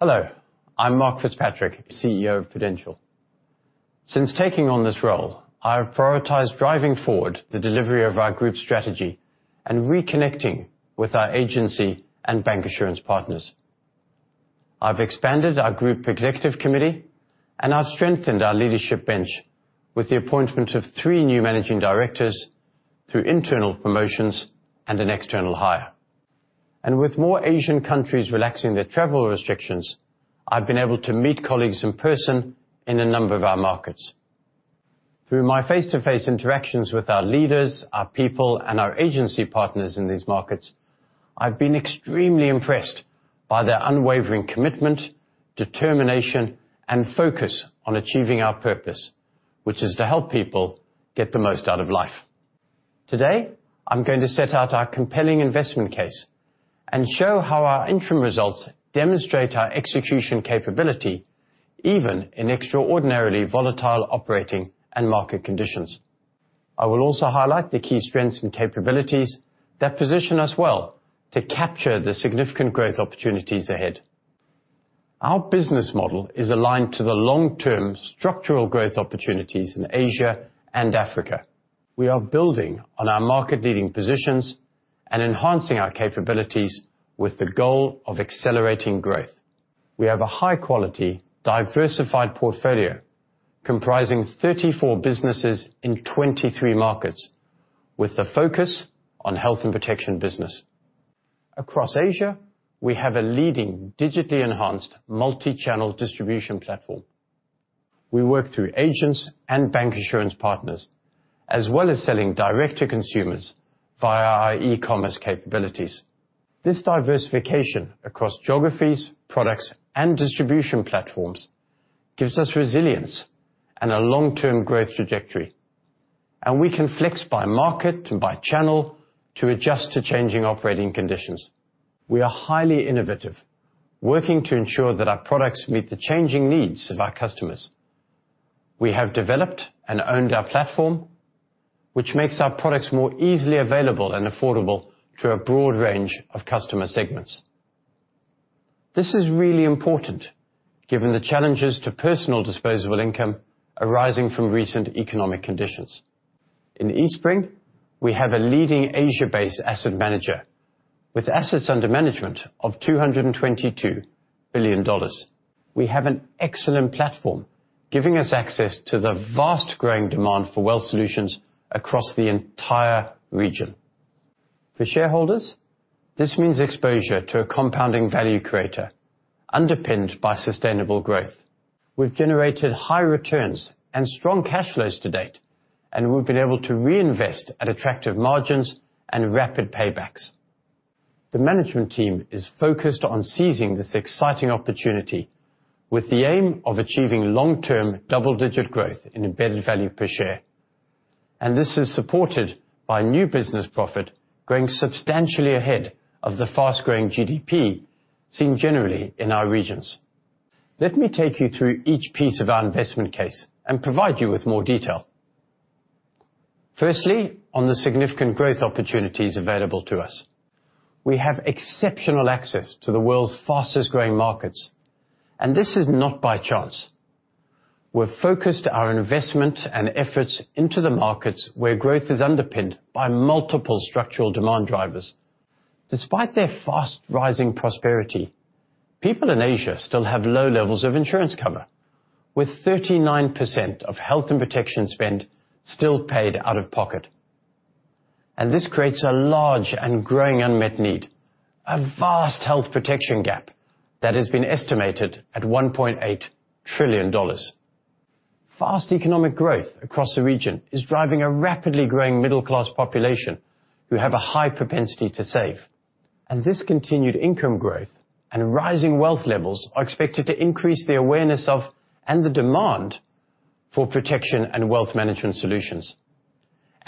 Hello, I'm Mark FitzPatrick, CEO of Prudential. Since taking on this role, I have prioritized driving forward the delivery of our group strategy and reconnecting with our agency and bancassurance partners. I've expanded our group executive committee, and I've strengthened our leadership bench with the appointment of three new managing directors through internal promotions and an external hire. With more Asian countries relaxing their travel restrictions, I've been able to meet colleagues in person in a number of our markets. Through my face-to-face interactions with our leaders, our people, and our agency partners in these markets, I've been extremely impressed by their unwavering commitment, determination, and focus on achieving our purpose, which is to help people get the most out of life. Today, I'm going to set out our compelling investment case and show how our interim results demonstrate our execution capability even in extraordinarily volatile operating and market conditions. I will also highlight the key strengths and capabilities that position us well to capture the significant growth opportunities ahead. Our business model is aligned to the long-term structural growth opportunities in Asia and Africa. We are building on our market leading positions and enhancing our capabilities with the goal of accelerating growth. We have a high quality, diversified portfolio comprising 34 businesses in 23 markets with the focus on health and protection business. Across Asia, we have a leading digitally enhanced multi-channel distribution platform. We work through agents and bank insurance partners, as well as selling direct to consumers via our e-commerce capabilities. This diversification across geographies, products, and distribution platforms gives us resilience and a long-term growth trajectory. We can flex by market and by channel to adjust to changing operating conditions. We are highly innovative, working to ensure that our products meet the changing needs of our customers. We have developed and owned our platform, which makes our products more easily available and affordable to a broad range of customer segments. This is really important given the challenges to personal disposable income arising from recent economic conditions. In Eastspring, we have a leading Asia-based asset manager with assets under management of $222 billion. We have an excellent platform giving us access to the vast growing demand for wealth solutions across the entire region. For shareholders, this means exposure to a compounding value creator underpinned by sustainable growth. We've generated high returns and strong cash flows to date, and we've been able to reinvest at attractive margins and rapid paybacks. The management team is focused on seizing this exciting opportunity with the aim of achieving long-term double-digit growth in embedded value per share. This is supported by new business profit growing substantially ahead of the fast-growing GDP seen generally in our regions. Let me take you through each piece of our investment case and provide you with more detail. Firstly, on the significant growth opportunities available to us. We have exceptional access to the world's fastest-growing markets, and this is not by chance. We've focused our investment and efforts into the markets where growth is underpinned by multiple structural demand drivers. Despite their fast rising prosperity, people in Asia still have low levels of insurance cover, with 39% of health and protection spend still paid out of pocket. This creates a large and growing unmet need, a vast health protection gap that has been estimated at $1.8 trillion. Fast economic growth across the region is driving a rapidly growing middle class population who have a high propensity to save. This continued income growth and rising wealth levels are expected to increase the awareness of, and the demand for protection and wealth management solutions.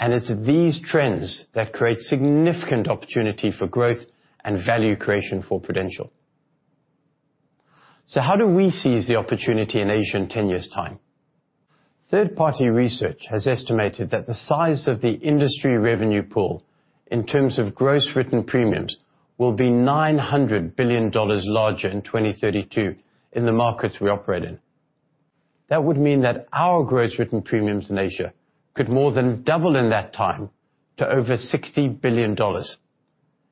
It's these trends that create significant opportunity for growth and value creation for Prudential. How do we seize the opportunity in Asia in 10 years' time? Third-party research has estimated that the size of the industry revenue pool in terms of gross written premiums will be $900 billion larger in 2032 in the markets we operate in. That would mean that our gross written premiums in Asia could more than double in that time to over $60 billion.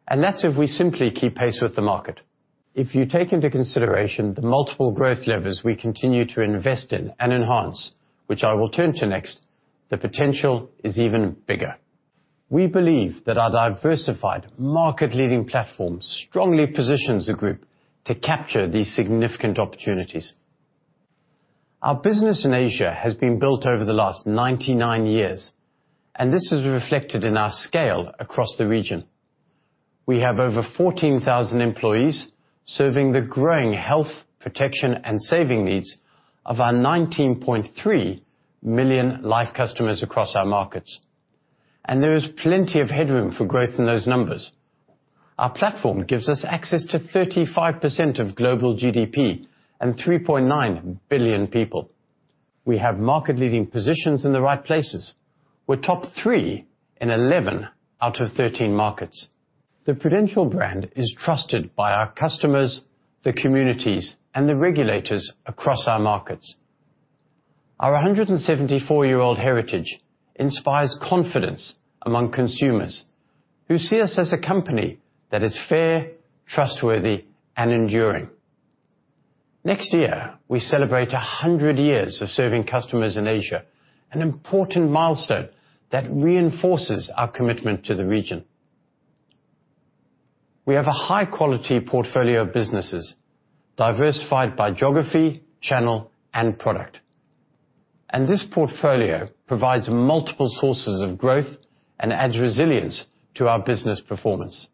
That's if we simply keep pace with the market. If you take into consideration the multiple growth levers we continue to invest in and enhance, which I will turn to next, the potential is even bigger. We believe that our diversified market leading platform strongly positions the Group to capture these significant opportunities. Our business in Asia has been built over the last 99 years, and this is reflected in our scale across the region. We have over 14,000 employees serving the growing health protection and saving needs of our 19.3 million life customers across our markets. There is plenty of headroom for growth in those numbers. Our platform gives us access to 35% of global GDP and 3.9 billion people. We have market leading positions in the right places. We're top three it 11 out of 13 markets. The Prudential brand is trusted by our customers, the communities, and the regulators across our markets. Our 174-year-old heritage inspires confidence among consumers who see us as a company that is fair, trustworthy, and enduring. Next year, we celebrate 100 years of serving customers in Asia, an important milestone that reinforces our commitment to the region. We have a high quality portfolio of businesses diversified by geography, channel, and product, and this portfolio provides multiple sources of growth and adds resilience to our business performance.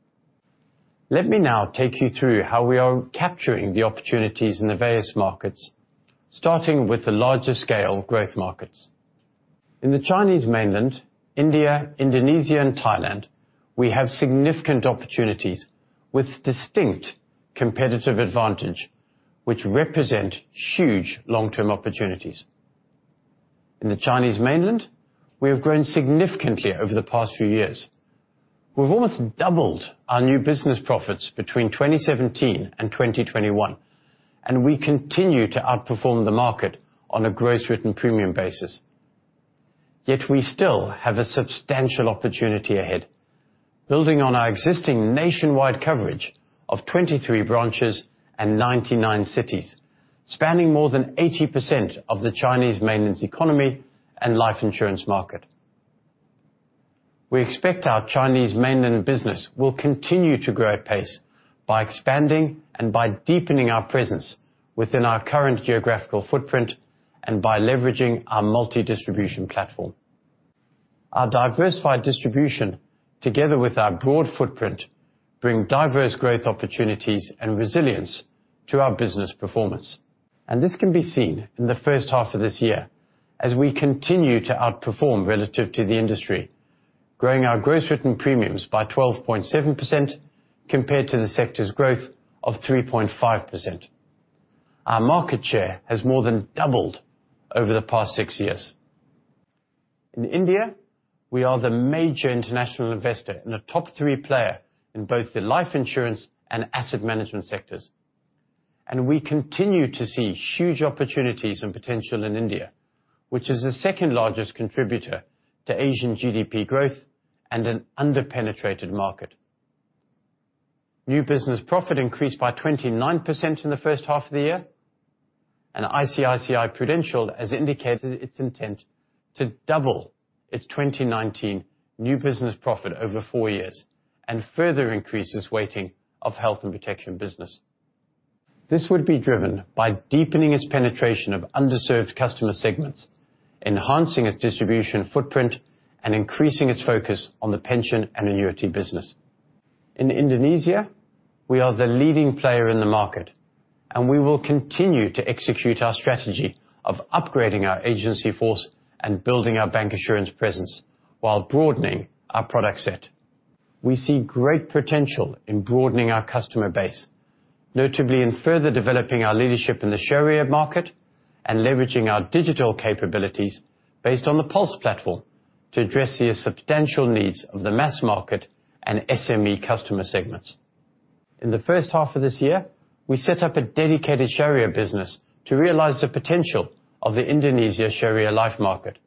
Let me now take you through how we are capturing the opportunities in the various markets, starting with the larger scale growth markets. In the Chinese mainland, India, Indonesia and Thailand, we have significant opportunities with distinct competitive advantage, which represent huge long-term opportunities. In the Chinese mainland, we have grown significantly over the past few years. We've almost doubled our new business profits between 2017 and 2021, and we continue to outperform the market on a gross written premium basis. Yet we still have a substantial opportunity ahead, building on our existing nationwide coverage of 23 branches and 99 cities, spanning more than 80% of the Chinese mainland's economy and life insurance market. We expect our Chinese mainland business will continue to grow at pace by expanding and by deepening our presence within our current geographical footprint and by leveraging our multi-distribution platform. Our diversified distribution, together with our broad footprint, bring diverse growth opportunities and resilience to our business performance. This can be seen in the first half of this year as we continue to outperform relative to the industry, growing our gross written premiums by 12.7% compared to the sector's growth of 3.5%. Our market share has more than doubled over the past six years. In India, we are the major international investor and a top three player in both the life insurance and asset management sectors. We continue to see huge opportunities and potential in India, which is the second largest contributor to Asian GDP growth and an under-penetrated market. New business profit increased by 29% in the first half of the year, and ICICI Prudential has indicated its intent to double its 2019 new business profit over four years and further increase its weighting of health and protection business. This would be driven by deepening its penetration of underserved customer segments, enhancing its distribution footprint, and increasing its focus on the pension and annuity business. In Indonesia, we are the leading player in the market, and we will continue to execute our strategy of upgrading our agency force and building our bank insurance presence while broadening our product set. We see great potential in broadening our customer base, notably in further developing our leadership in the Sharia market and leveraging our digital capabilities based on the Pulse platform to address the substantial needs of the mass market and SME customer segments. In the first half of this year, we set up a dedicated Sharia business to realize the potential of the Indonesia Sharia life market.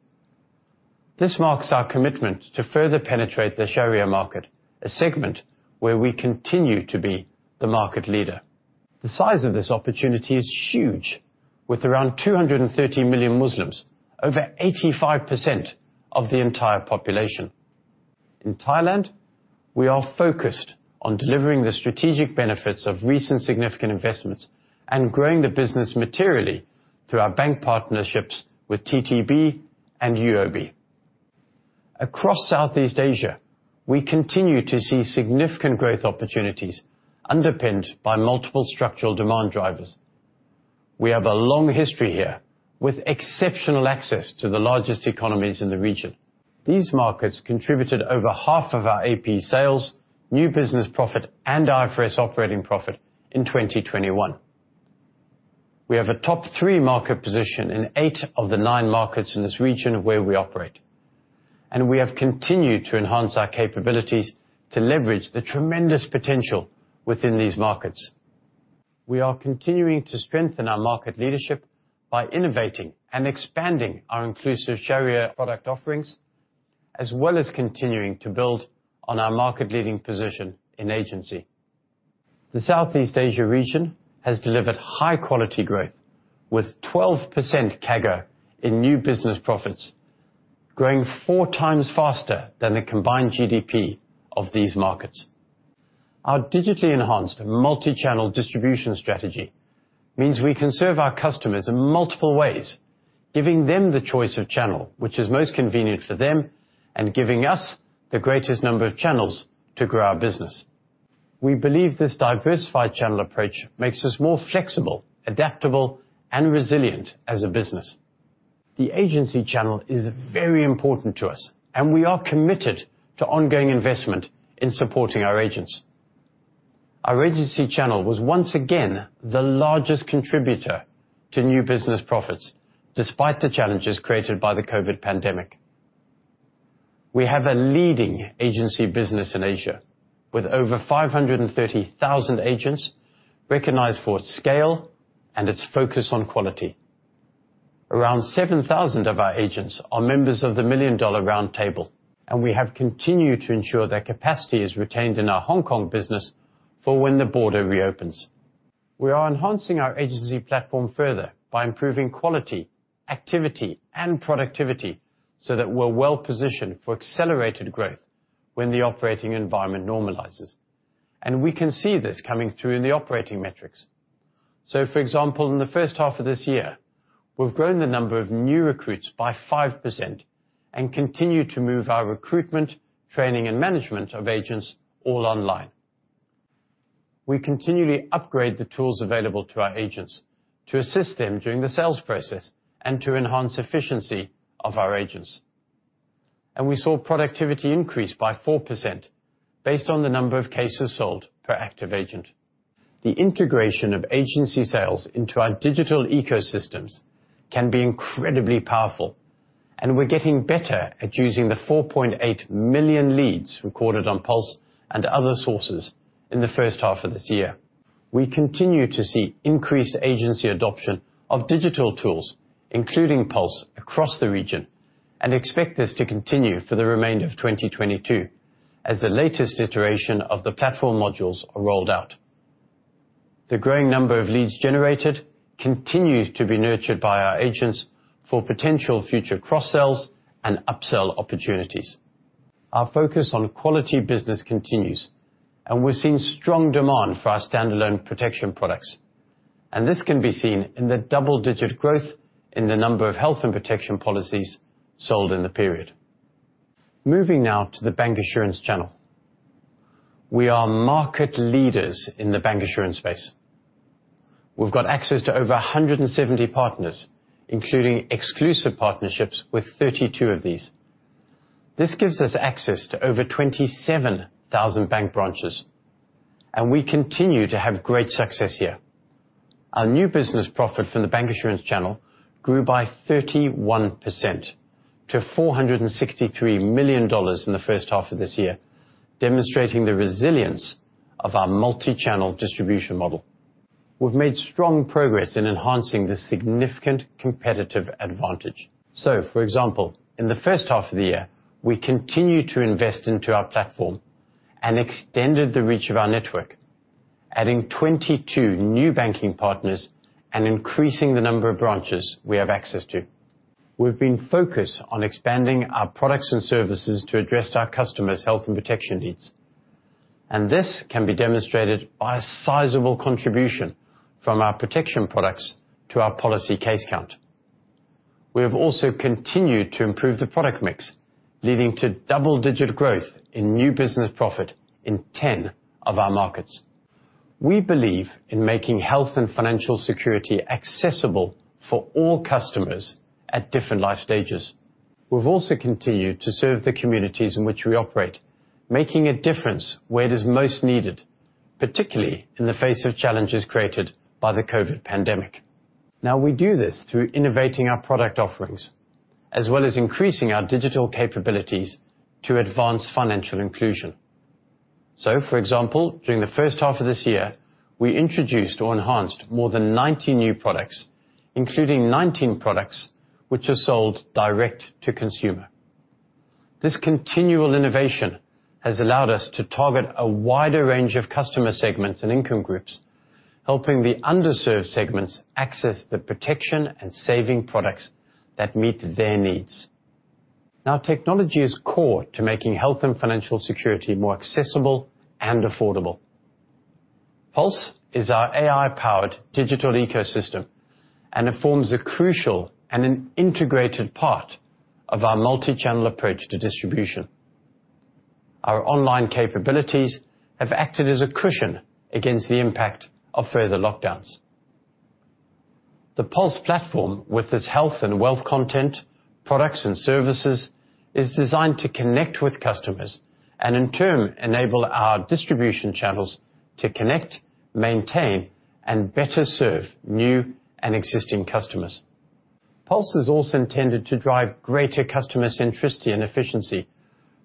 This marks our commitment to further penetrate the Sharia market, a segment where we continue to be the market leader. The size of this opportunity is huge, with around 230 million Muslims, over 85% of the entire population. In Thailand, we are focused on delivering the strategic benefits of recent significant investments and growing the business materially through our bank partnerships with TTB and UOB. Across Southeast Asia, we continue to see significant growth opportunities underpinned by multiple structural demand drivers. We have a long history here with exceptional access to the largest economies in the region. These markets contributed over half of our APE sales, new business profit, and IFRS operating profit in 2021. We have a top three market position in eight of the nine markets in this region where we operate, and we have continued to enhance our capabilities to leverage the tremendous potential within these markets. We are continuing to strengthen our market leadership by innovating and expanding our inclusive Sharia product offerings, as well as continuing to build on our market leading position in agency. The Southeast Asia region has delivered high quality growth with 12% CAGR in new business profits, growing four times faster than the combined GDP of these markets. Our digitally enhanced multi-channel distribution strategy means we can serve our customers in multiple ways, giving them the choice of channel which is most convenient for them and giving us the greatest number of channels to grow our business. We believe this diversified channel approach makes us more flexible, adaptable, and resilient as a business. The agency channel is very important to us, and we are committed to ongoing investment in supporting our agents. Our agency channel was once again the largest contributor to new business profits despite the challenges created by the COVID pandemic. We have a leading agency business in Asia, with over 530,000 agents recognized for its scale and its focus on quality. Around 7,000 of our agents are members of the Million Dollar Round Table, and we have continued to ensure their capacity is retained in our Hong Kong business for when the border reopens. We are enhancing our agency platform further by improving quality, activity, and productivity so that we're well-positioned for accelerated growth when the operating environment normalizes. We can see this coming through in the operating metrics. For example, in the first half of this year, we've grown the number of new recruits by 5% and continue to move our recruitment, training, and management of agents all online. We continually upgrade the tools available to our agents to assist them during the sales process and to enhance efficiency of our agents. We saw productivity increase by 4% based on the number of cases sold per active agent. The integration of agency sales into our digital ecosystems can be incredibly powerful, and we're getting better at using the 4.8 million leads recorded on Pulse and other sources in the first half of this year. We continue to see increased agency adoption of digital tools, including Pulse, across the region and expect this to continue for the remainder of 2022 as the latest iteration of the platform modules are rolled out. The growing number of leads generated continues to be nurtured by our agents for potential future cross-sells and upsell opportunities. Our focus on quality business continues, and we're seeing strong demand for our standalone protection products. This can be seen in the double-digit growth in the number of health and protection policies sold in the period. Moving now to the bancassurance channel. We are market leaders in the bancassurance space. We've got access to over 170 partners, including exclusive partnerships with 32 of these. This gives us access to over 27,000 bank branches, and we continue to have great success here. Our new business profit from the bancassurance channel grew by 31% to $463 million in the first half of this year, demonstrating the resilience of our multichannel distribution model. We've made strong progress in enhancing the significant competitive advantage. For example, in the first half of the year, we continued to invest into our platform and extended the reach of our network, adding 22 new banking partners and increasing the number of branches we have access to. We've been focused on expanding our products and services to address our customers' health and protection needs, and this can be demonstrated by a sizable contribution from our protection products to our policy case count. We have also continued to improve the product mix, leading to double-digit growth in new business profit in 10 of our markets. We believe in making health and financial security accessible for all customers at different life stages. We've also continued to serve the communities in which we operate, making a difference where it is most needed, particularly in the face of challenges created by the COVID pandemic. Now, we do this through innovating our product offerings, as well as increasing our digital capabilities to advance financial inclusion. For example, during the first half of this year, we introduced or enhanced more than 90 new products, including 19 products which are sold direct to consumer. This continual innovation has allowed us to target a wider range of customer segments and income groups, helping the underserved segments access the protection and saving products that meet their needs. Now, technology is core to making health and financial security more accessible and affordable. Pulse is our AI-powered digital ecosystem, and it forms a crucial and an integrated part of our multichannel approach to distribution. Our online capabilities have acted as a cushion against the impact of further lockdowns. The Pulse platform with its health and wealth content, products, and services is designed to connect with customers and in turn enable our distribution channels to connect, maintain, and better serve new and existing customers. Pulse is also intended to drive greater customer centricity and efficiency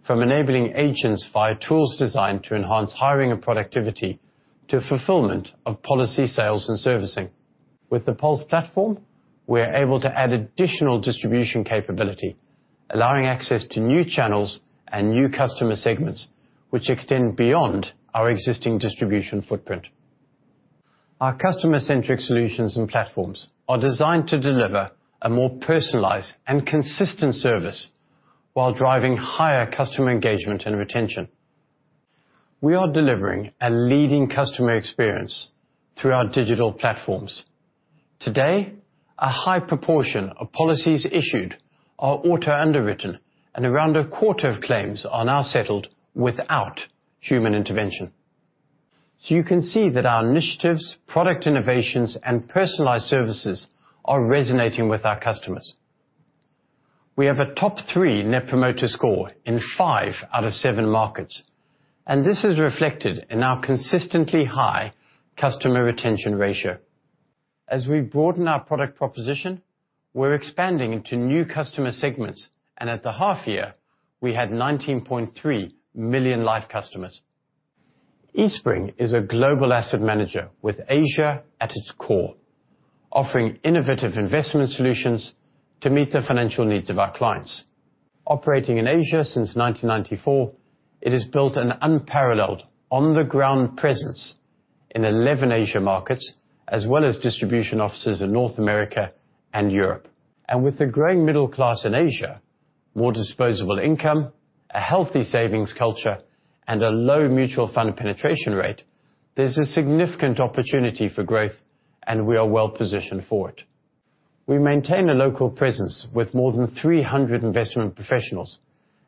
from enabling agents via tools designed to enhance hiring and productivity to fulfillment of policy, sales, and servicing. With the Pulse platform, we are able to add additional distribution capability, allowing access to new channels and new customer segments which extend beyond our existing distribution footprint. Our customer-centric solutions and platforms are designed to deliver a more personalized and consistent service while driving higher customer engagement and retention. We are delivering a leading customer experience through our digital platforms. Today, a high proportion of policies issued are auto-underwritten, and around a quarter of claims are now settled without human intervention. You can see that our initiatives, product innovations, and personalized services are resonating with our customers. We have a top three net promoter score in five out of seven markets, and this is reflected in our consistently high customer retention ratio. As we broaden our product proposition, we're expanding into new customer segments, and at the half year, we had 19.3 million life customers. Eastspring is a global asset manager with Asia at its core, offering innovative investment solutions to meet the financial needs of our clients. Operating in Asia since 1994, it has built an unparalleled on-the-ground presence in 11 Asia markets, as well as distribution offices in North America and Europe. With the growing middle class in Asia, more disposable income, a healthy savings culture, and a low mutual fund penetration rate, there's a significant opportunity for growth, and we are well-positioned for it. We maintain a local presence with more than 300 investment professionals,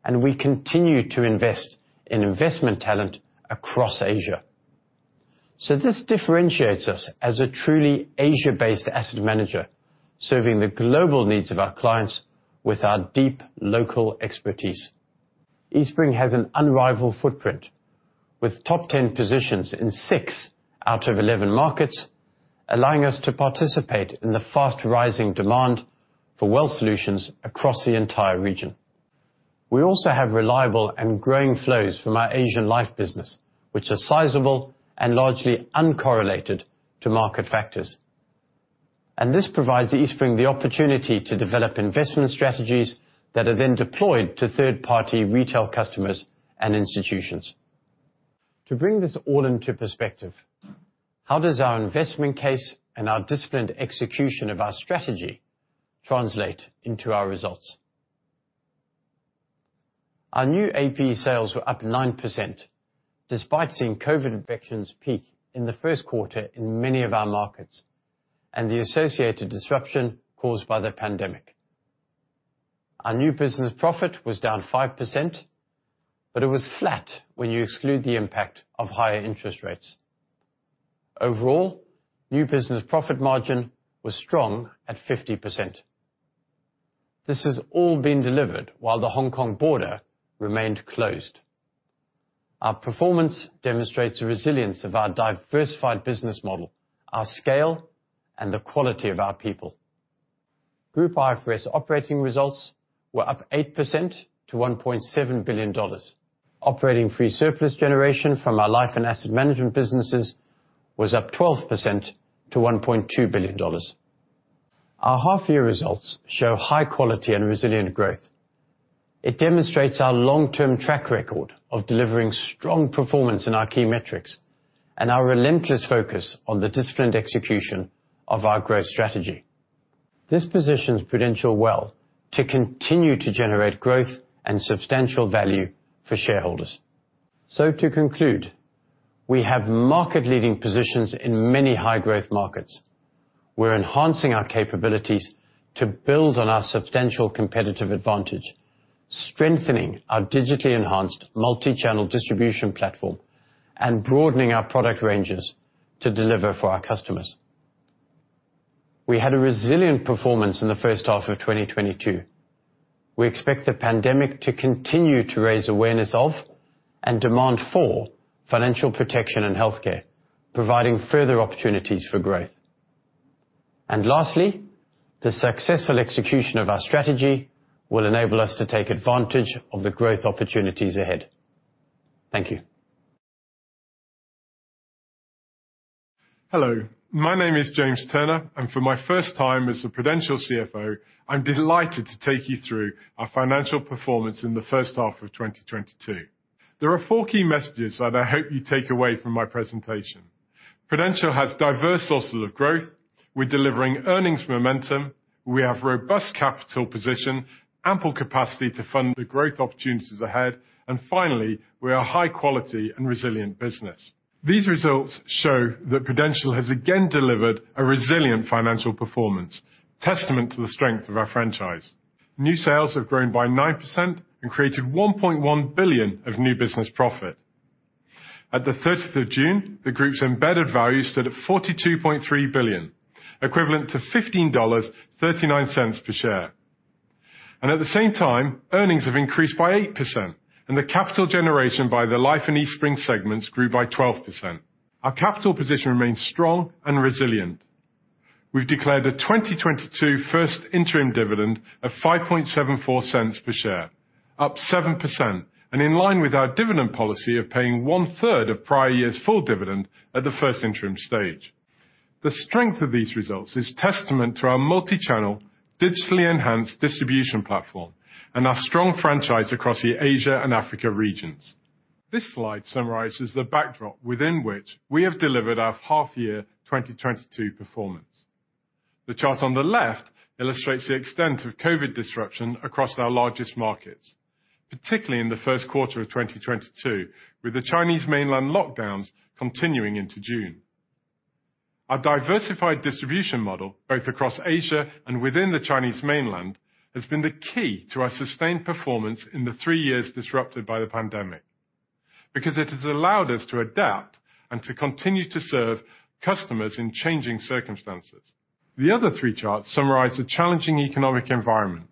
and we continue to invest in investment talent across Asia. This differentiates us as a truly Asia-based asset manager, serving the global needs of our clients with our deep local expertise. Eastspring has an unrivaled footprint with top 10 positions in six out of 11 markets, allowing us to participate in the fast-rising demand for wealth solutions across the entire region. We also have reliable and growing flows from our Asian life business, which are sizable and largely uncorrelated to market factors. This provides Eastspring the opportunity to develop investment strategies that are then deployed to third-party retail customers and institutions. To bring this all into perspective, how does our investment case and our disciplined execution of our strategy translate into our results? Our new APE sales were up 9%, despite seeing COVID infections peak in the Q1 in many of our markets, and the associated disruption caused by the pandemic. Our new business profit was down 5%, but it was flat when you exclude the impact of higher interest rates. Overall, new business profit margin was strong at 50%. This has all been delivered while the Hong Kong border remained closed. Our performance demonstrates the resilience of our diversified business model, our scale, and the quality of our people. Group IFRS operating results were up 8% to $1.7 billion. Operating free surplus generation from our life and asset management businesses was up 12% to $1.2 billion. Our half-year results show high quality and resilient growth. It demonstrates our long-term track record of delivering strong performance in our key metrics and our relentless focus on the disciplined execution of our growth strategy. This positions Prudential well to continue to generate growth and substantial value for shareholders. To conclude, we have market-leading positions in many high-growth markets. We're enhancing our capabilities to build on our substantial competitive advantage, strengthening our digitally enhanced multi-channel distribution platform, and broadening our product ranges to deliver for our customers. We had a resilient performance in the first half of 2022. We expect the pandemic to continue to raise awareness of and demand for financial protection and healthcare, providing further opportunities for growth. Lastly, the successful execution of our strategy will enable us to take advantage of the growth opportunities ahead. Thank you. Hello, my name is James Turner, and for my first time as the Prudential CFO, I'm delighted to take you through our financial performance in the first half of 2022. There are four key messages that I hope you take away from my presentation. Prudential has diverse sources of growth. We're delivering earnings momentum. We have robust capital position, ample capacity to fund the growth opportunities ahead. Finally, we are a high-quality and resilient business. These results show that Prudential has again delivered a resilient financial performance, testament to the strength of our franchise. New sales have grown by 9% and created $1.1 billion of new business profit. At the 13th of June, the Group's embedded value stood at $42.3 billion, equivalent to $15.39 per share. At the same time, earnings have increased by 8%, and the capital generation by the Life and Eastspring segments grew by 12%. Our capital position remains strong and resilient. We've declared a 2022 first interim dividend of $0.0574 per share, up 7%, and in line with our dividend policy of paying one-third of prior year's full dividend at the first interim stage. The strength of these results is testament to our multi-channel, digitally enhanced distribution platform and our strong franchise across the Asia and Africa regions. This slide summarizes the backdrop within which we have delivered our half-year 2022 performance. The chart on the left illustrates the extent of COVID disruption across our largest markets, particularly in the Q1 of 2022, with the Chinese mainland lockdowns continuing into June. Our diversified distribution model, both across Asia and within the Chinese mainland, has been the key to our sustained performance in the three years disrupted by the pandemic. Because it has allowed us to adapt and to continue to serve customers in changing circumstances. The other three charts summarize the challenging economic environment.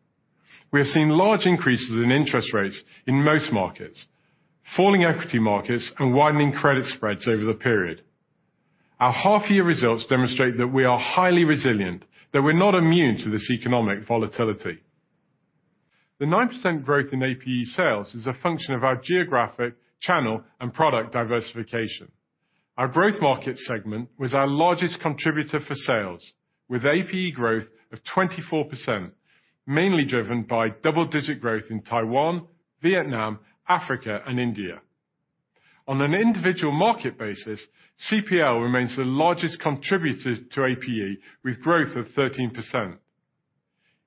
We have seen large increases in interest rates in most markets, falling equity markets, and widening credit spreads over the period. Our half-year results demonstrate that we are highly resilient, though we're not immune to this economic volatility. The 9% growth in APE sales is a function of our geographic, channel, and product diversification. Our growth market segment was our largest contributor for sales, with APE growth of 24%, mainly driven by double-digit growth in Taiwan, Vietnam, Africa, and India. On an individual market basis, CPL remains the largest contributor to APE with growth of 13%.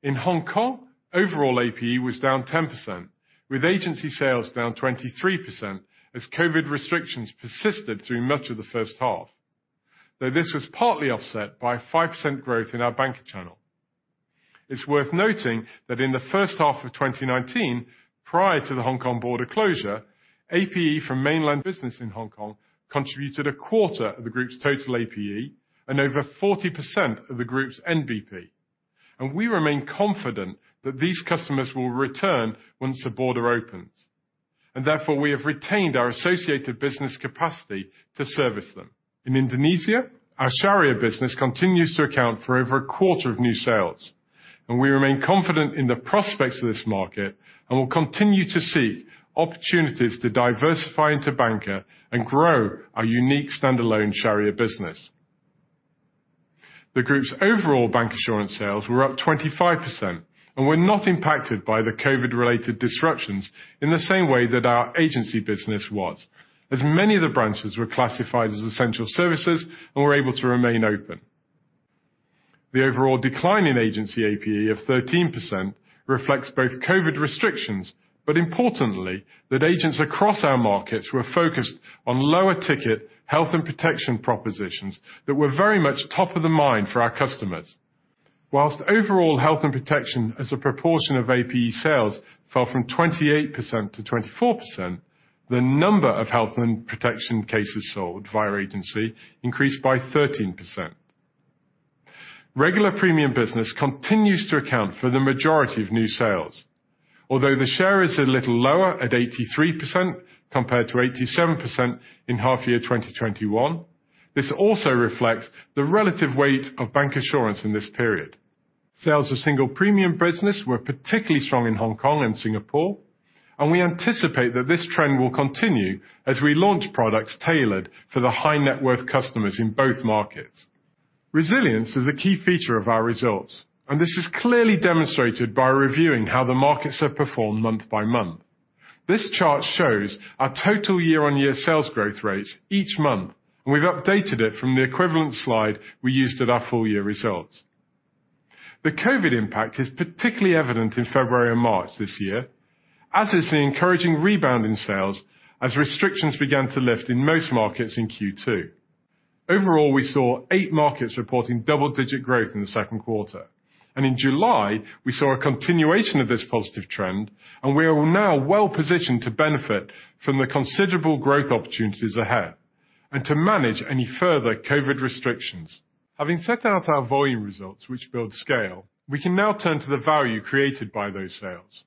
In Hong Kong, overall APE was down 10%, with agency sales down 23% as COVID restrictions persisted through much of the first half. Though this was partly offset by 5% growth in our bancassurance channel. It's worth noting that in the first half of 2019, prior to the Hong Kong border closure, APE from mainland business in Hong Kong contributed a quarter of the group's total APE and over 40% of the group's NBP. We remain confident that these customers will return once the border opens, and therefore we have retained our associated business capacity to service them. In Indonesia, our Sharia business continues to account for over a quarter of new sales, and we remain confident in the prospects of this market and will continue to seek opportunities to diversify into bancassurance and grow our unique standalone Sharia business. The group's overall bancassurance sales were up 25% and were not impacted by the COVID-related disruptions in the same way that our agency business was, as many of the branches were classified as essential services and were able to remain open. The overall decline in agency APE of 13% reflects both COVID restrictions, but importantly, that agents across our markets were focused on lower-ticket health and protection propositions that were very much top of the mind for our customers. While overall health and protection as a proportion of APE sales fell from 28%-24%, the number of health and protection cases sold via agency increased by 13%. Regular premium business continues to account for the majority of new sales, although the share is a little lower at 83% compared to 87% in half year 2021. This also reflects the relative weight of bancassurance in this period. Sales of single premium business were particularly strong in Hong Kong and Singapore, and we anticipate that this trend will continue as we launch products tailored for the high net worth customers in both markets. Resilience is a key feature of our results, and this is clearly demonstrated by reviewing how the markets have performed month by month. This chart shows our total year-on-year sales growth rates each month, and we've updated it from the equivalent slide we used at our full year results. The COVID impact is particularly evident in February and March this year, as is the encouraging rebound in sales as restrictions began to lift in most markets in Q2. Overall, we saw eight markets reporting double-digit growth in the Q2, and in July, we saw a continuation of this positive trend, and we are now well-positioned to benefit from the considerable growth opportunities ahead and to manage any further COVID restrictions. Having set out our volume results, which build scale, we can now turn to the value created by those sales.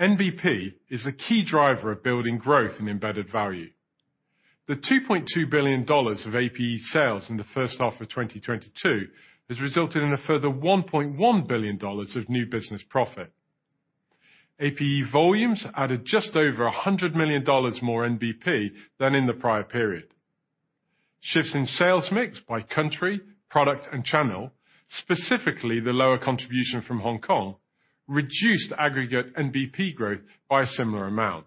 NBP is a key driver of building growth and embedded value. The $2.2 billion of APE sales in the first half of 2022 has resulted in a further $1.1 billion of new business profit. APE volumes added just over $100 million more NBP than in the prior period. Shifts in sales mix by country, product, and channel, specifically the lower contribution from Hong Kong, reduced aggregate NBP growth by a similar amount.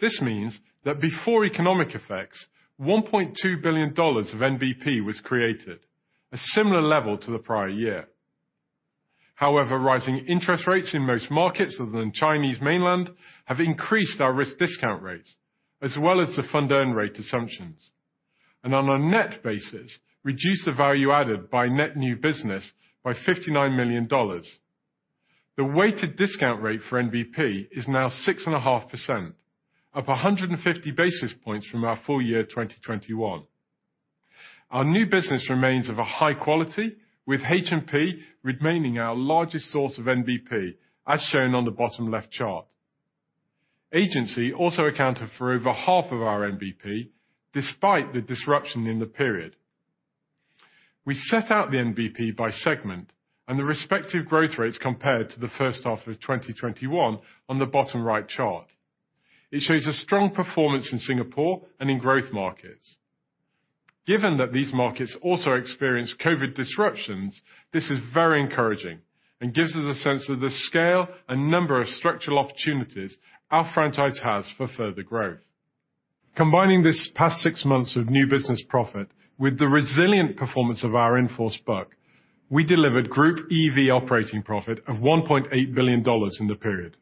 This means that before economic effects, $1.2 billion of NBP was created, a similar level to the prior year. However, rising interest rates in most markets other than Chinese Mainland have increased our risk discount rates as well as the fund earn rate assumptions, and on a net basis, reduced the value added by net new business by $59 million. The weighted discount rate for NBP is now 6.5%, up 150 basis points from our full year 2021. Our new business remains of a high quality, with H&P remaining our largest source of NBP, as shown on the bottom left chart. Agency also accounted for over half of our NBP, despite the disruption in the period. We set out the NBP by segment and the respective growth rates compared to the first half of 2021 on the bottom right chart. It shows a strong performance in Singapore and in growth markets. Given that these markets also experienced COVID disruptions, this is very encouraging and gives us a sense of the scale and number of structural opportunities our franchise has for further growth. Combining this past six months of new business profit with the resilient performance of our in-force book, we delivered Group EV operating profit of $1.8 billion in the period.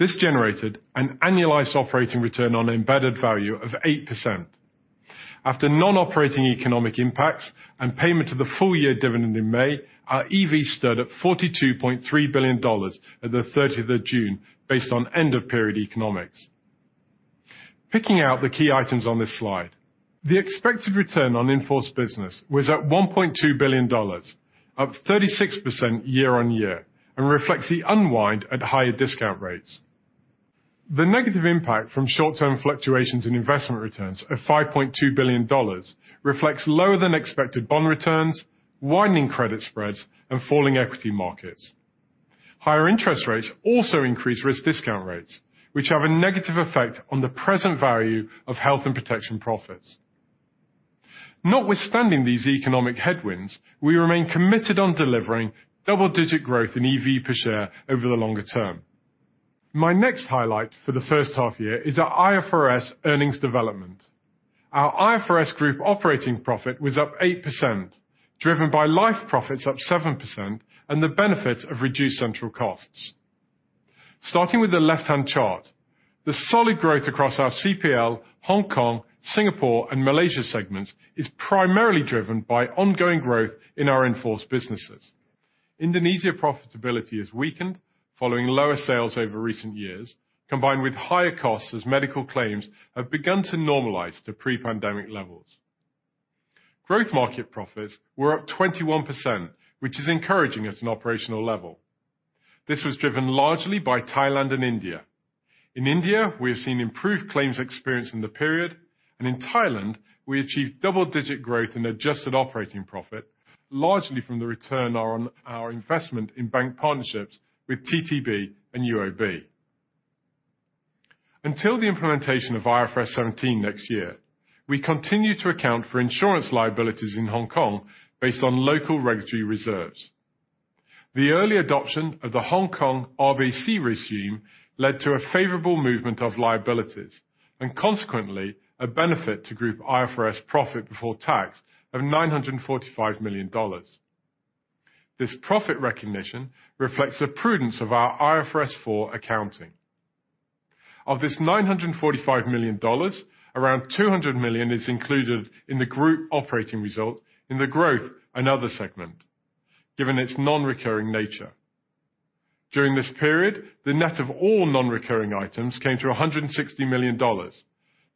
This generated an annualized operating return on embedded value of 8%. After non-operating economic impacts and payment of the full-year dividend in May, our EV stood at $42.3 billion at the thirtieth of June based on end of period economics. Picking out the key items on this slide, the expected return on in-force business was at $1.2 billion, up 36% year-on-year, and reflects the unwind at higher discount rates. The negative impact from short-term fluctuations in investment returns of $5.2 billion reflects lower than expected bond returns, widening credit spreads, and falling equity markets. Higher interest rates also increase risk discount rates, which have a negative effect on the present value of health and protection profits. Notwithstanding these economic headwinds, we remain committed on delivering double-digit growth in EV per share over the longer term. My next highlight for the first half year is our IFRS earnings development. Our IFRS group operating profit was up 8%, driven by life profits up 7% and the benefit of reduced central costs. Starting with the left-hand chart, the solid growth across our CPL, Hong Kong, Singapore, and Malaysia segments is primarily driven by ongoing growth in our in-force businesses. Indonesia profitability has weakened following lower sales over recent years, combined with higher costs as medical claims have begun to normalize to pre-pandemic levels. Growth market profits were up 21%, which is encouraging at an operational level. This was driven largely by Thailand and India. In India, we have seen improved claims experience in the period, and in Thailand, we achieved double-digit growth in adjusted operating profit, largely from the return on our investment in bank partnerships with TTB and UOB. Until the implementation of IFRS 17 next year, we continue to account for insurance liabilities in Hong Kong based on local regulatory reserves. The early adoption of the Hong Kong RBC regime led to a favorable movement of liabilities, and consequently, a benefit to group IFRS profit before tax of $945 million. This profit recognition reflects the prudence of our IFRS 4 accounting. Of this $945 million, around $200 million is included in the group operating result in the growth and other segment, given its non-recurring nature. During this period, the net of all non-recurring items came to $160 million.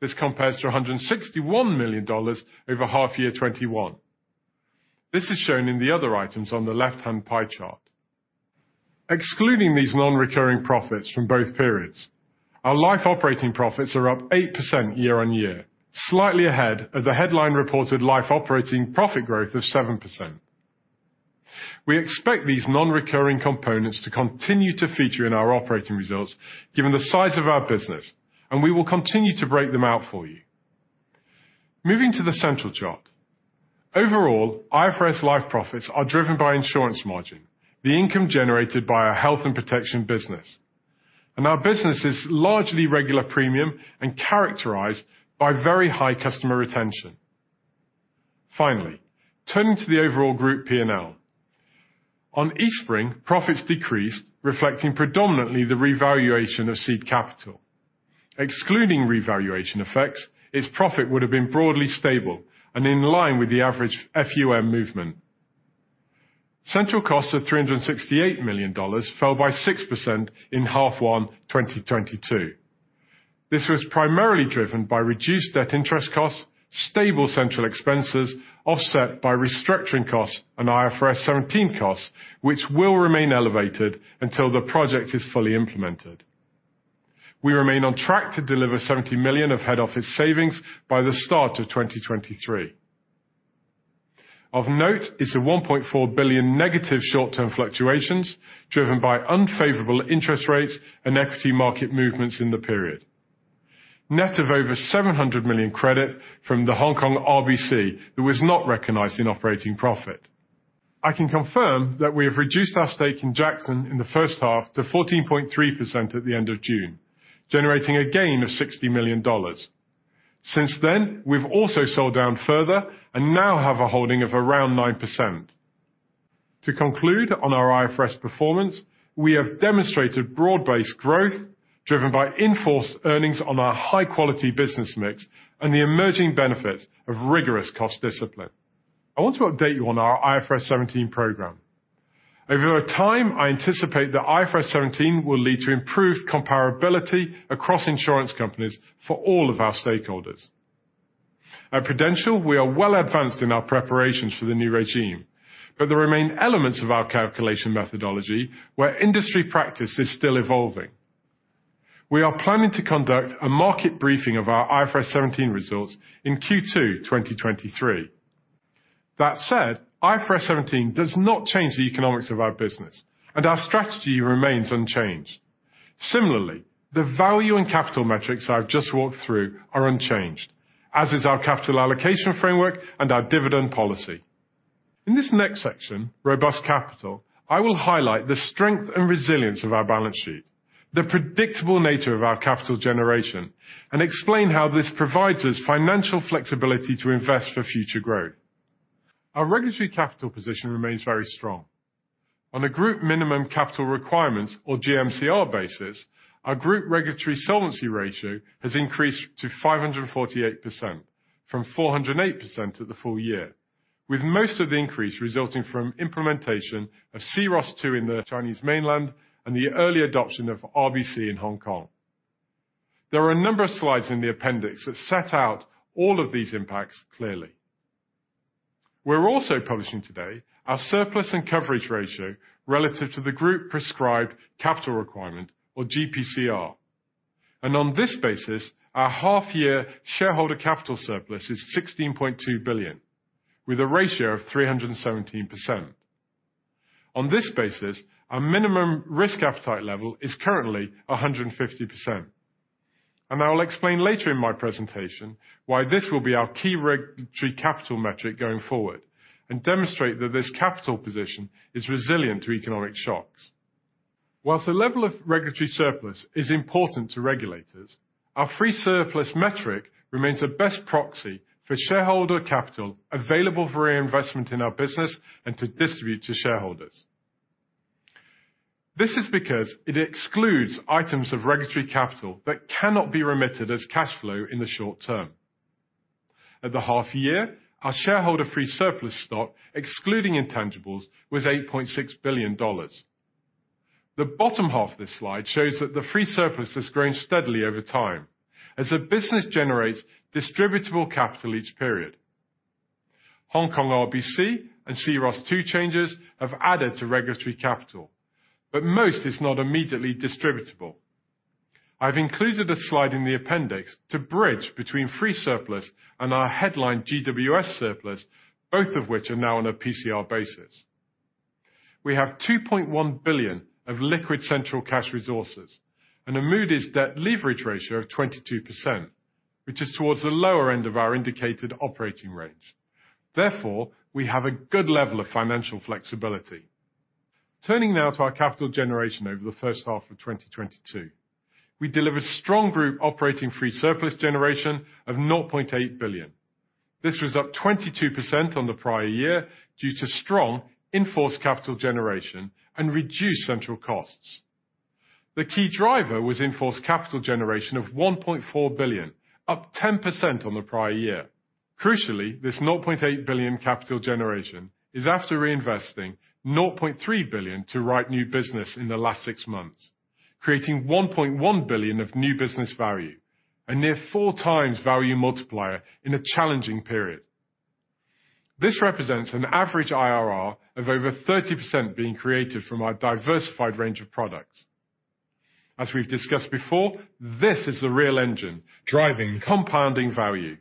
This compares to $161 million over half year 2021. This is shown in the other items on the left-hand pie chart. Excluding these non-recurring profits from both periods, our life operating profits are up 8% year-on-year, slightly ahead of the headline reported life operating profit growth of 7%. We expect these non-recurring components to continue to feature in our operating results given the size of our business, and we will continue to break them out for you. Moving to the central chart, overall, IFRS life profits are driven by insurance margin, the income generated by our health and protection business. Our business is largely regular premium and characterized by very high customer retention. Finally, turning to the overall group P&L. On Eastspring, profits decreased, reflecting predominantly the revaluation of seed capital. Excluding revaluation effects, its profit would have been broadly stable and in line with the average FUM movement. Central costs of $368 million fell by 6% in 1H 2022. This was primarily driven by reduced debt interest costs, stable central expenses, offset by restructuring costs and IFRS 17 costs, which will remain elevated until the project is fully implemented. We remain on track to deliver $70 million of head office savings by the start of 2023. Of note is the $1.4 billion negative short-term fluctuations driven by unfavorable interest rates and equity market movements in the period. Net of over $700 million credit from the Hong Kong RBC, it was not recognized in operating profit. I can confirm that we have reduced our stake in Jackson in the first half to 14.3% at the end of June, generating a gain of $60 million. Since then, we've also sold down further and now have a holding of around 9%. To conclude on our IFRS performance, we have demonstrated broad-based growth driven by in-force earnings on our high-quality business mix and the emerging benefits of rigorous cost discipline. I want to update you on our IFRS 17 program. Over time, I anticipate that IFRS 17 will lead to improved comparability across insurance companies for all of our stakeholders. At Prudential, we are well advanced in our preparations for the new regime, but there remain elements of our calculation methodology where industry practice is still evolving. We are planning to conduct a market briefing of our IFRS 17 results in Q2 2023. That said, IFRS 17 does not change the economics of our business, and our strategy remains unchanged. Similarly, the value and capital metrics I've just walked through are unchanged, as is our capital allocation framework and our dividend policy. In this next section, robust capital, I will highlight the strength and resilience of our balance sheet, the predictable nature of our capital generation, and explain how this provides us financial flexibility to invest for future growth. Our regulatory capital position remains very strong. On the Group Minimum Capital Requirements or GMCR basis, our Group regulatory solvency ratio has increased to 548% from 408% at the full year. With most of the increase resulting from implementation of C-ROSS II in the Chinese Mainland and the early adoption of RBC in Hong Kong. There are a number of slides in the appendix that set out all of these impacts clearly. We're also publishing today our surplus and coverage ratio relative to the Group Prescribed Capital Requirement or GPCR. On this basis, our half-year shareholder capital surplus is $16.2 billion with a ratio of 317%. On this basis, our minimum risk appetite level is currently 150%. I will explain later in my presentation why this will be our key regulatory capital metric going forward and demonstrate that this capital position is resilient to economic shocks. While the level of regulatory surplus is important to regulators, our free surplus metric remains the best proxy for shareholder capital available for reinvestment in our business and to distribute to shareholders. This is because it excludes items of regulatory capital that cannot be remitted as cash flow in the short term. At the half year, our shareholder free surplus stock, excluding intangibles, was $8.6 billion. The bottom half of this slide shows that the free surplus has grown steadily over time as the business generates distributable capital each period. Hong Kong RBC and C-ROSS II changes have added to regulatory capital, but most is not immediately distributable. I've included a slide in the appendix to bridge between free surplus and our headline GWS surplus, both of which are now on a PCR basis. We have $2.1 billion of liquid central cash resources and a Moody's debt leverage ratio of 22%, which is towards the lower end of our indicated operating range. Therefore, we have a good level of financial flexibility. Turning now to our capital generation over the first half of 2022. We delivered strong Group operating free surplus generation of $0.8 billion. This was up 22% on the prior year due to strong in-force capital generation and reduced central costs. The key driver was in-force capital generation of $1.4 billion, up 10% on the prior year. Crucially, this $0.8 billion capital generation is after reinvesting $0.3 billion to write new business in the last six months, creating $1.1 billion of new business value and near 4x value multiplier in a challenging period. This represents an average IRR of over 30% being created from our diversified range of products. As we've discussed before, this is the real engine driving compounding value.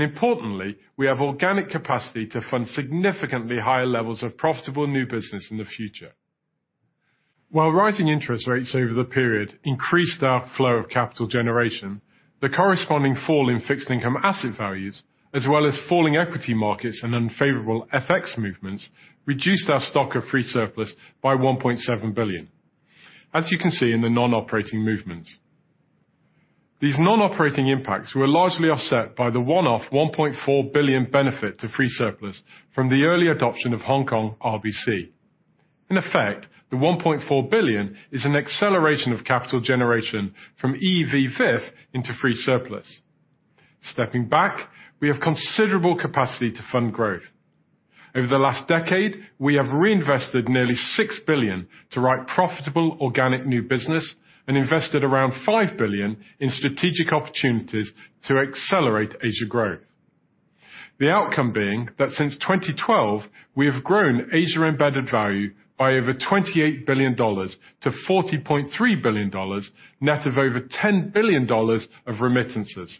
Importantly, we have organic capacity to fund significantly higher levels of profitable new business in the future. While rising interest rates over the period increased our flow of capital generation, the corresponding fall in fixed income asset values, as well as falling equity markets and unfavorable FX movements, reduced our stock of free surplus by $1.7 billion. As you can see in the non-operating movements. These non-operating impacts were largely offset by the one-off $1.4 billion benefit to free surplus from the early adoption of Hong Kong RBC. In effect, the $1.4 billion is an acceleration of capital generation from EV to free surplus. Stepping back, we have considerable capacity to fund growth. Over the last decade, we have reinvested nearly $6 billion to write profitable organic new business and invested around $5 billion in strategic opportunities to accelerate Asia growth. The outcome being that since 2012, we have grown Asia embedded value by over $28 billion to $40.3 billion, net of over $10 billion of remittances.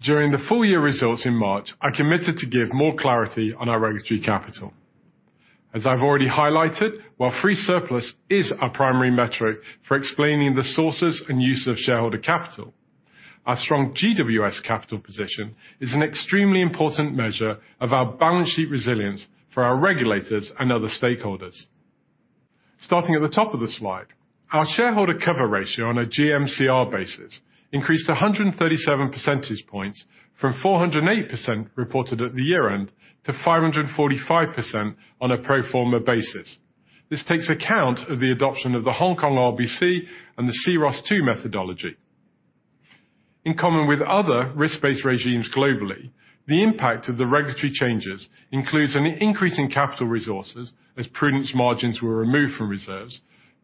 During the full year results in March, I committed to give more clarity on our regulatory capital. As I've already highlighted, while free surplus is our primary metric for explaining the sources and use of shareholder capital, our strong GWS capital position is an extremely important measure of our balance sheet resilience for our regulators and other stakeholders. Starting at the top of the slide, our shareholder cover ratio on a GMCR basis increased 137 percentage points from 408% reported at the year-end to 545% on a pro forma basis. This takes account of the adoption of the Hong Kong RBC and the C-ROSS II methodology. In common with other risk-based regimes globally, the impact of the regulatory changes includes an increase in capital resources as prudence margins were removed from reserves,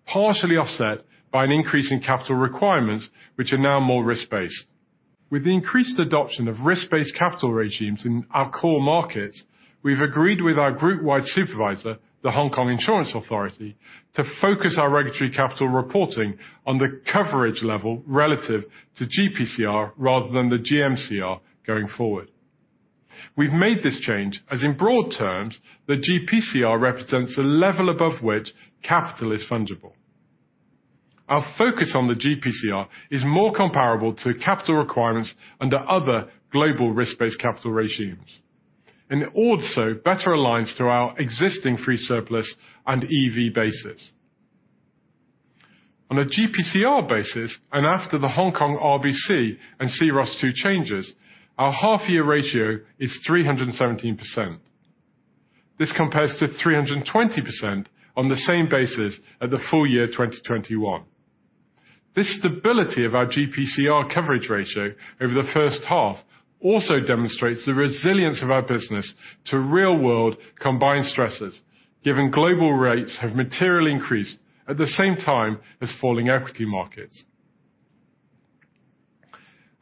partially offset by an increase in capital requirements, which are now more risk-based. With the increased adoption of risk-based capital regimes in our core markets, we've agreed with our group-wide supervisor, the Hong Kong Insurance Authority, to focus our regulatory capital reporting on the coverage level relative to GPCR rather than the GMCR going forward. We've made this change as in broad terms, the GPCR represents the level above which capital is fundable. Our focus on the GPCR is more comparable to capital requirements under other global risk-based capital regimes, and it also better aligns to our existing free surplus on EV basis. On a GPCR basis, and after the Hong Kong RBC and C-ROSS II changes, our half-year ratio is 317%. This compares to 320% on the same basis at the full year 2021. This stability of our GPCR coverage ratio over the first half also demonstrates the resilience of our business to real-world combined stresses, given global rates have materially increased at the same time as falling equity markets.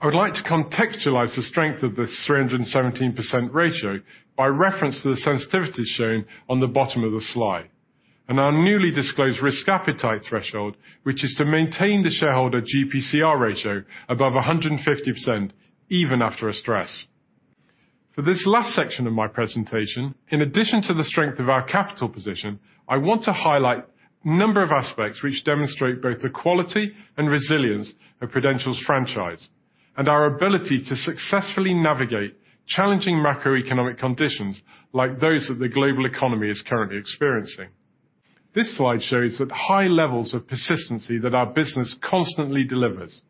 I would like to contextualize the strength of the 317% ratio by reference to the sensitivity shown on the bottom of the slide, and our newly disclosed risk appetite threshold, which is to maintain the shareholder GPCR ratio above 150% even after a stress. For this last section of my presentation, in addition to the strength of our capital position, I want to highlight a number of aspects which demonstrate both the quality and resilience of Prudential's franchise, and our ability to successfully navigate challenging macroeconomic conditions like those that the global economy is currently experiencing. This slide shows that high levels of persistency that our business constantly delivers,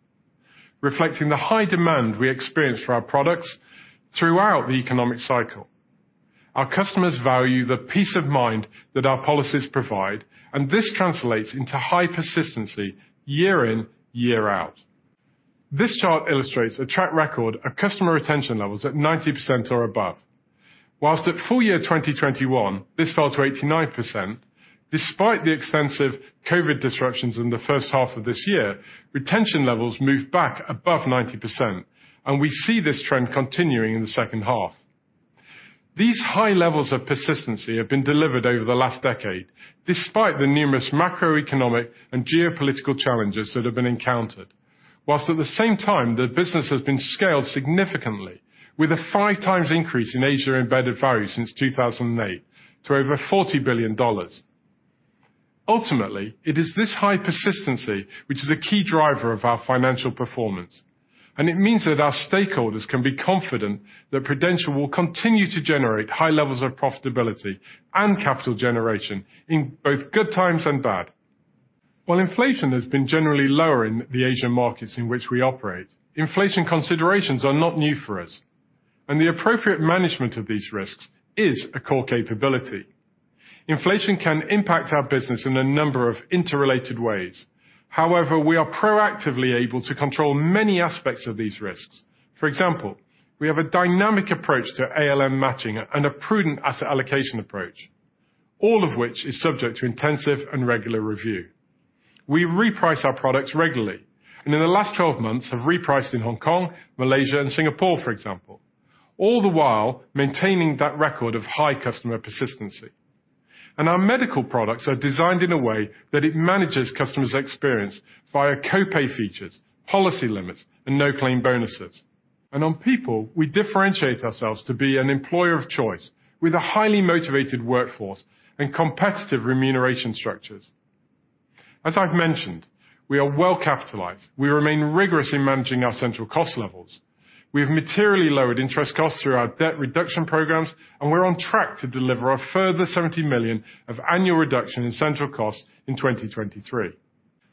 reflecting the high demand we experience for our products throughout the economic cycle. Our customers value the peace of mind that our policies provide, and this translates into high persistency year in, year out. This chart illustrates a track record of customer retention levels at 90% or above. While in full year 2021, this fell to 89%, despite the extensive COVID disruptions in the first half of this year, retention levels moved back above 90%, and we see this trend continuing in the second half. These high levels of persistency have been delivered over the last decade, despite the numerous macroeconomic and geopolitical challenges that have been encountered. While at the same time, the business has been scaled significantly with a 5x increase in Asia embedded value since 2008 to over $40 billion. Ultimately, it is this high persistency which is a key driver of our financial performance, and it means that our stakeholders can be confident that Prudential will continue to generate high levels of profitability and capital generation in both good times and bad. While inflation has been generally lower in the Asian markets in which we operate, inflation considerations are not new for us, and the appropriate management of these risks is a core capability. Inflation can impact our business in a number of interrelated ways. However, we are proactively able to control many aspects of these risks. For example, we have a dynamic approach to ALM matching and a prudent asset allocation approach, all of which is subject to intensive and regular review. We reprice our products regularly, and in the last 12 months have repriced in Hong Kong, Malaysia, and Singapore, for example. All the while, maintaining that record of high customer persistency. Our medical products are designed in a way that it manages customers' experience via co-pay features, policy limits, and no claim bonuses. On people, we differentiate ourselves to be an employer of choice with a highly motivated workforce and competitive remuneration structures. As I've mentioned, we are well capitalized. We remain rigorous in managing our central cost levels. We have materially lowered interest costs through our debt reduction programs, and we're on track to deliver a further $70 million of annual reduction in central costs in 2023.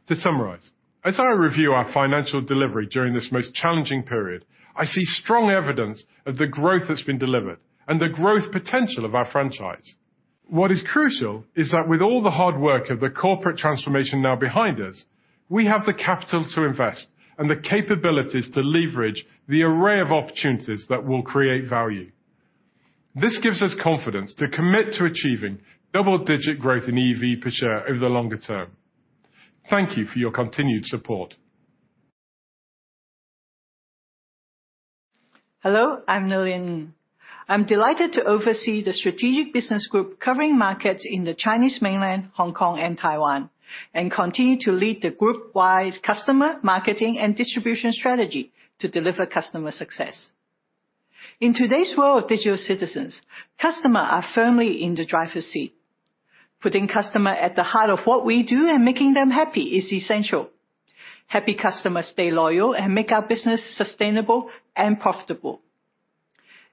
To summarize, as I review our financial delivery during this most challenging period, I see strong evidence of the growth that's been delivered and the growth potential of our franchise. What is crucial is that with all the hard work of the corporate transformation now behind us, we have the capital to invest and the capabilities to leverage the array of opportunities that will create value. This gives us confidence to commit to achieving double digit growth in EV per share over the longer term. Thank you for your continued support. Hello, I'm Lilian Ng. I'm delighted to oversee the strategic business group covering markets in the Chinese mainland, Hong Kong, and Taiwan, and continue to lead the group-wide customer marketing and distribution strategy to deliver customer success. In today's world of digital citizens, customers are firmly in the driver's seat. Putting customers at the heart of what we do and making them happy is essential. Happy customers stay loyal and make our business sustainable and profitable.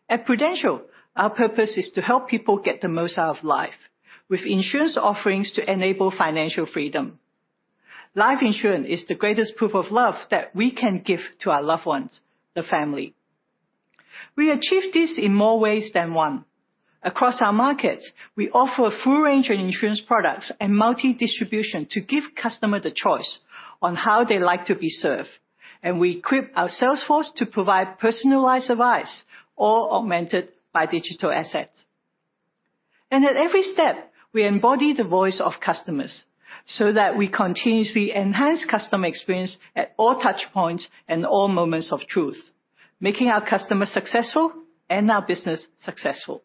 At Prudential, our purpose is to help people get the most out of life with insurance offerings to enable financial freedom. Life insurance is the greatest proof of love that we can give to our loved ones, the family. We achieve this in more ways than one. Across our markets, we offer a full range of insurance products and multi-distribution to give customers the choice on how they like to be served. We equip our sales force to provide personalized advice, all augmented by digital assets. At every step, we embody the voice of customers so that we continuously enhance customer experience at all touchpoints and all moments of truth, making our customers successful and our business successful.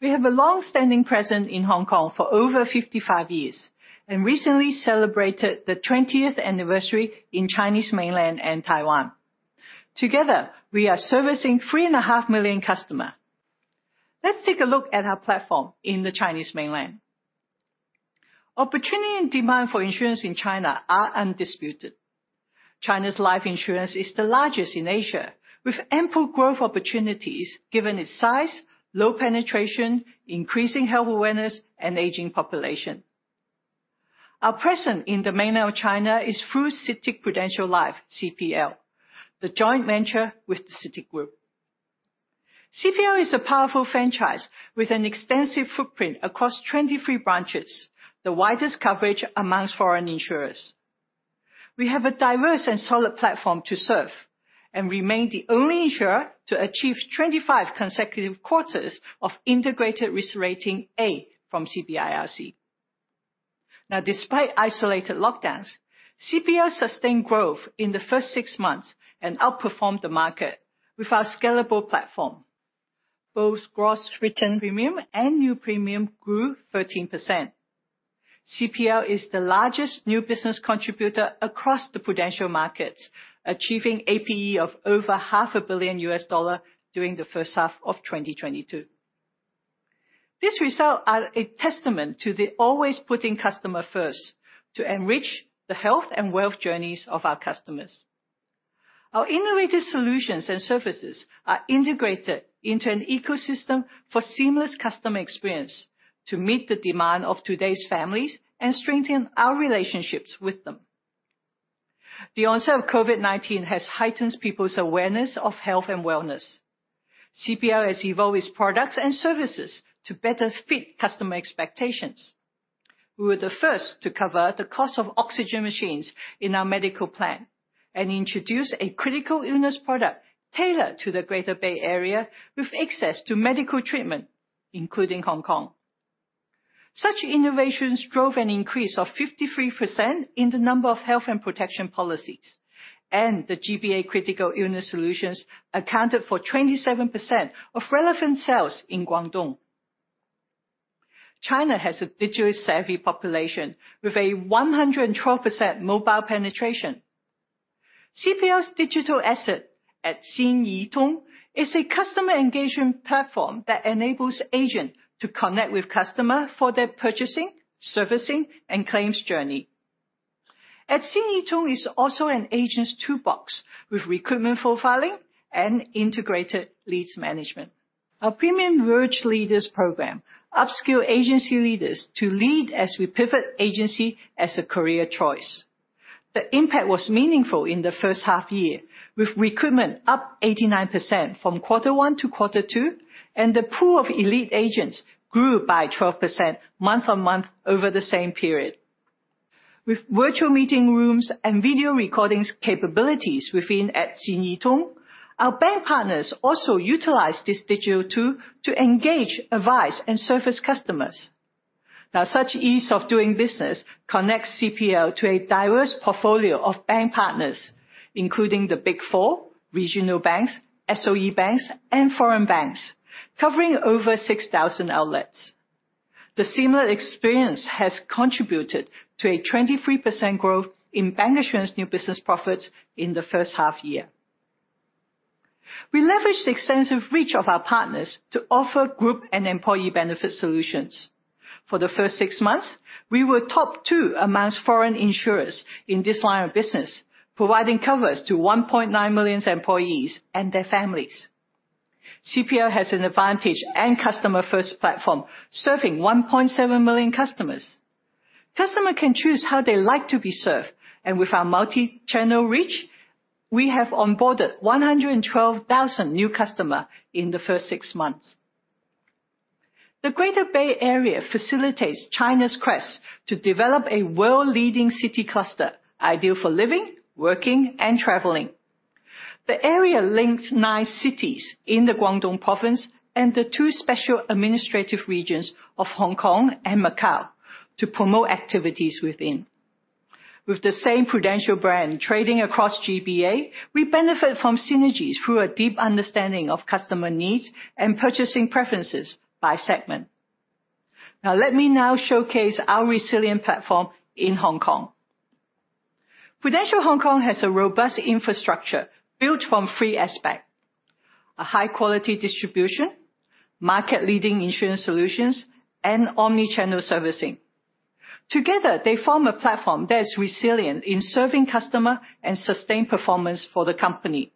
We have a long-standing presence in Hong Kong for over 55 years, and recently celebrated the 20th anniversary in mainland China and Taiwan. Together, we are servicing 3.5 million customers. Let's take a look at our platform in mainland China. Opportunity and demand for insurance in China are undisputed. China's life insurance is the largest in Asia, with ample growth opportunities given its size, low penetration, increasing health awareness, and aging population. Our presence in mainland China is through CITIC-Prudential Life, CPL, the joint venture with the CITIC Group. CPL is a powerful franchise with an extensive footprint across 23 branches, the widest coverage amongst foreign insurers. We have a diverse and solid platform to serve and remain the only insurer to achieve 25 consecutive quarters of integrated risk rating A from CBIRC. Now despite isolated lockdowns, CPL sustained growth in the first 6 months and outperformed the market with our scalable platform. Both gross written premium and new premium grew 13%. CPL is the largest new business contributor across the Prudential markets, achieving APE of over $ half a billion during the first half of 2022. This result are a testament to the always putting customer first to enrich the health and wealth journeys of our customers. Our innovative solutions and services are integrated into an ecosystem for seamless customer experience to meet the demand of today's families and strengthen our relationships with them. The onset of COVID-19 has heightened people's awareness of health and wellness. CPL has evolved its products and services to better fit customer expectations. We were the first to cover the cost of oxygen machines in our medical plan and introduced a critical illness product tailored to the Greater Bay Area with access to medical treatment, including Hong Kong. Such innovations drove an increase of 53% in the number of health and protection policies, and the GBA critical illness solutions accounted for 27% of relevant sales in Guangdong. China has a digitally savvy population with a 112% mobile penetration. CPL's digital asset at Xing Yi Tong is a customer engagement platform that enables agent to connect with customer for their purchasing, servicing, and claims journey. At Xing Yi Tong is also an agent's toolbox with recruitment profiling and integrated leads management. Our PRUVenture Leaders program upskill agency leaders to lead as we pivot agency as a career choice. The impact was meaningful in the first half year, with recruitment up 89% from quarter one to quarter two, and the pool of elite agents grew by 12% month-on-month over the same period. With virtual meeting rooms and video recordings capabilities within Xing Yi Tong, our bank partners also utilize this digital tool to engage, advise, and service customers. Now such ease of doing business connects CPL to a diverse portfolio of bank partners, including the Big Four, regional banks, SOE banks, and foreign banks, covering over 6,000 outlets. The similar experience has contributed to a 23% growth in bancassurance new business profits in the first half year. We leveraged the extensive reach of our partners to offer group and employee benefit solutions. For the first six months, we were top two among foreign insurers in this line of business, providing coverage to 1.9 million employees and their families. CPL has an advantage and customer-first platform serving 1.7 million customers. Customers can choose how they like to be served, and with our multichannel reach, we have onboarded 112,000 new customers in the first six months. The Greater Bay Area facilitates China's quest to develop a world-leading city cluster ideal for living, working, and traveling. The area links nine cities in the Guangdong province and the two special administrative regions of Hong Kong and Macau to promote activities within. With the same Prudential brand trading across GBA, we benefit from synergies through a deep understanding of customer needs and purchasing preferences by segment. Now let me showcase our resilient platform in Hong Kong. Prudential Hong Kong has a robust infrastructure built from three aspects, a high-quality distribution, market-leading insurance solutions, and omni-channel servicing. Together, they form a platform that is resilient in serving customer and sustained performance for the company.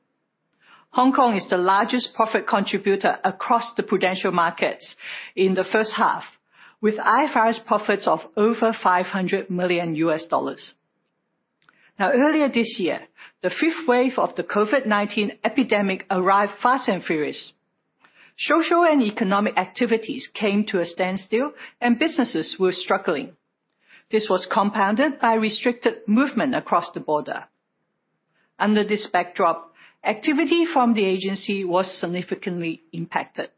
Hong Kong is the largest profit contributor across the Prudential markets in the first half, with IFRS profits of over $500 million. Now earlier this year, the fifth wave of the COVID-19 epidemic arrived fast and furious. Social and economic activities came to a standstill and businesses were struggling. This was compounded by restricted movement across the border. Under this backdrop, activity from the agency was significantly impacted.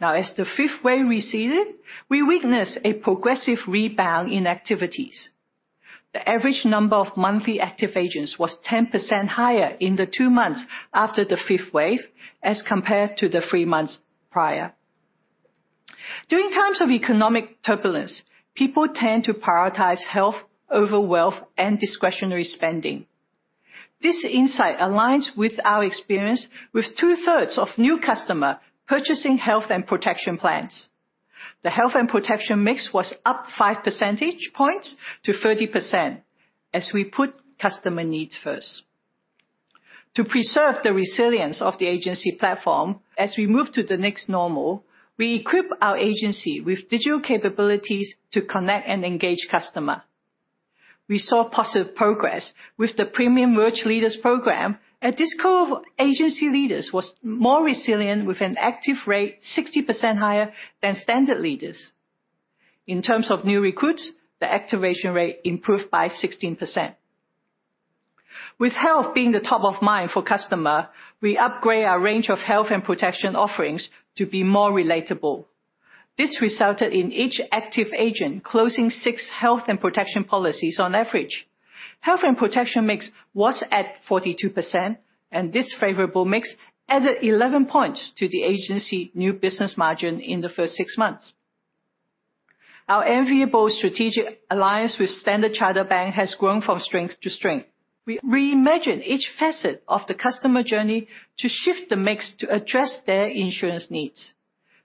Now as the fifth wave receded, we witnessed a progressive rebound in activities. The average number of monthly active agents was 10% higher in the two months after the fifth wave as compared to the three months prior. During times of economic turbulence, people tend to prioritize health over wealth and discretionary spending. This insight aligns with our experience with two-thirds of new customers purchasing health and protection plans. The health and protection mix was up five percentage points to 30% as we put customer needs first. To preserve the resilience of the agency platform as we move to the next normal, we equip our agency with digital capabilities to connect and engage customers. We saw positive progress with the PRUVenture Leaders program, and this core of agency leaders was more resilient with an active rate 60% higher than standard leaders. In terms of new recruits, the activation rate improved by 16%. With health being the top of mind for customers, we upgrade our range of health and protection offerings to be more relatable. This resulted in each active agent closing 6 Health and Protection policies on average. Health and Protection mix was at 42%, and this favorable mix added 11 points to the agency new business margin in the first six months. Our enviable strategic alliance with Standard Chartered Bank has grown from strength to strength. We reimagine each facet of the customer journey to shift the mix to address their insurance needs.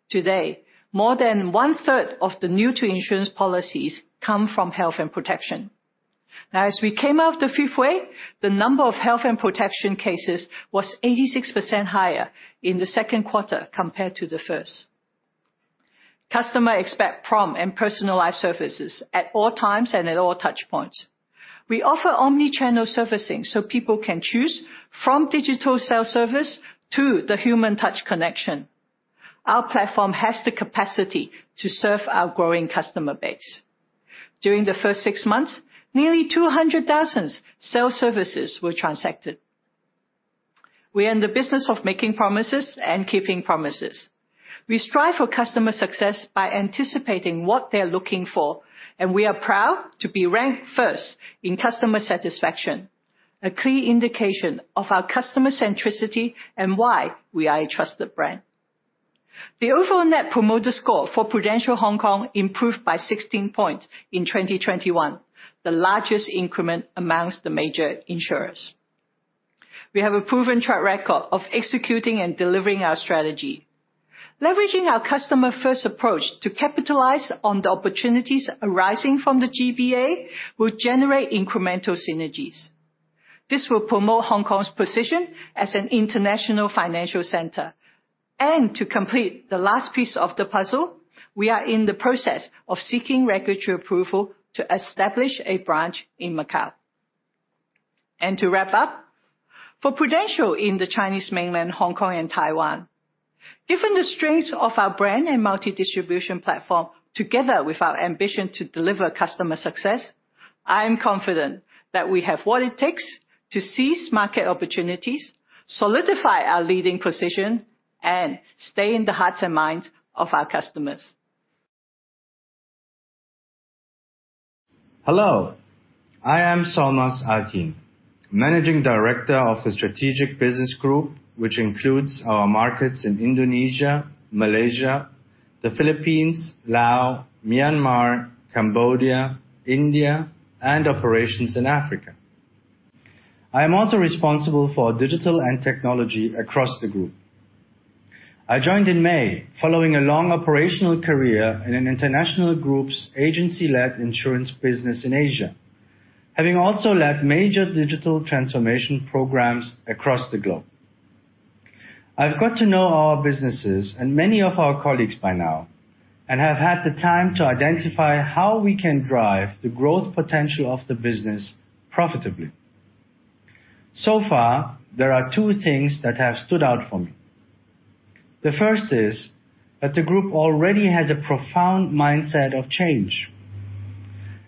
Today, more than one-third of the new-to-insurance policies come from Health and Protection. Now, as we came out of the fifth wave, the number of Health and Protection cases was 86% higher in the Q2 compared to the first. Customers expect prompt and personalized services at all times and at all touchpoints. We offer omni-channel servicing, so people can choose from digital self-service to the human touch connection. Our platform has the capacity to serve our growing customer base. During the first six months, nearly 200,000 self-services were transacted. We are in the business of making promises and keeping promises. We strive for customer success by anticipating what they're looking for, and we are proud to be ranked first in customer satisfaction. A clear indication of our customer centricity and why we are a trusted brand. The overall net promoter score for Prudential Hong Kong improved by 16 points in 2021, the largest increment among the major insurers. We have a proven track record of executing and delivering our strategy. Leveraging our customer-first approach to capitalize on the opportunities arising from the GBA will generate incremental synergies. This will promote Hong Kong's position as an international financial center. To complete the last piece of the puzzle, we are in the process of seeking regulatory approval to establish a branch in Macau. To wrap up, for Prudential in the Chinese mainland, Hong Kong, and Taiwan, given the strength of our brand and multi-distribution platform together with our ambition to deliver customer success, I am confident that we have what it takes to seize market opportunities, solidify our leading position, and stay in the hearts and minds of our customers. Hello, I am Solmaz Altin, Managing Director of the Strategic Business Group, which includes our markets in Indonesia, Malaysia, the Philippines, Laos, Myanmar, Cambodia, India, and operations in Africa. I am also responsible for digital and technology across the group. I joined in May following a long operational career in an international group's agency-led insurance business in Asia, having also led major digital transformation programs across the globe. I've got to know our businesses and many of our colleagues by now and have had the time to identify how we can drive the growth potential of the business profitably. So far, there are two things that have stood out for me. The first is that the group already has a profound mindset of change.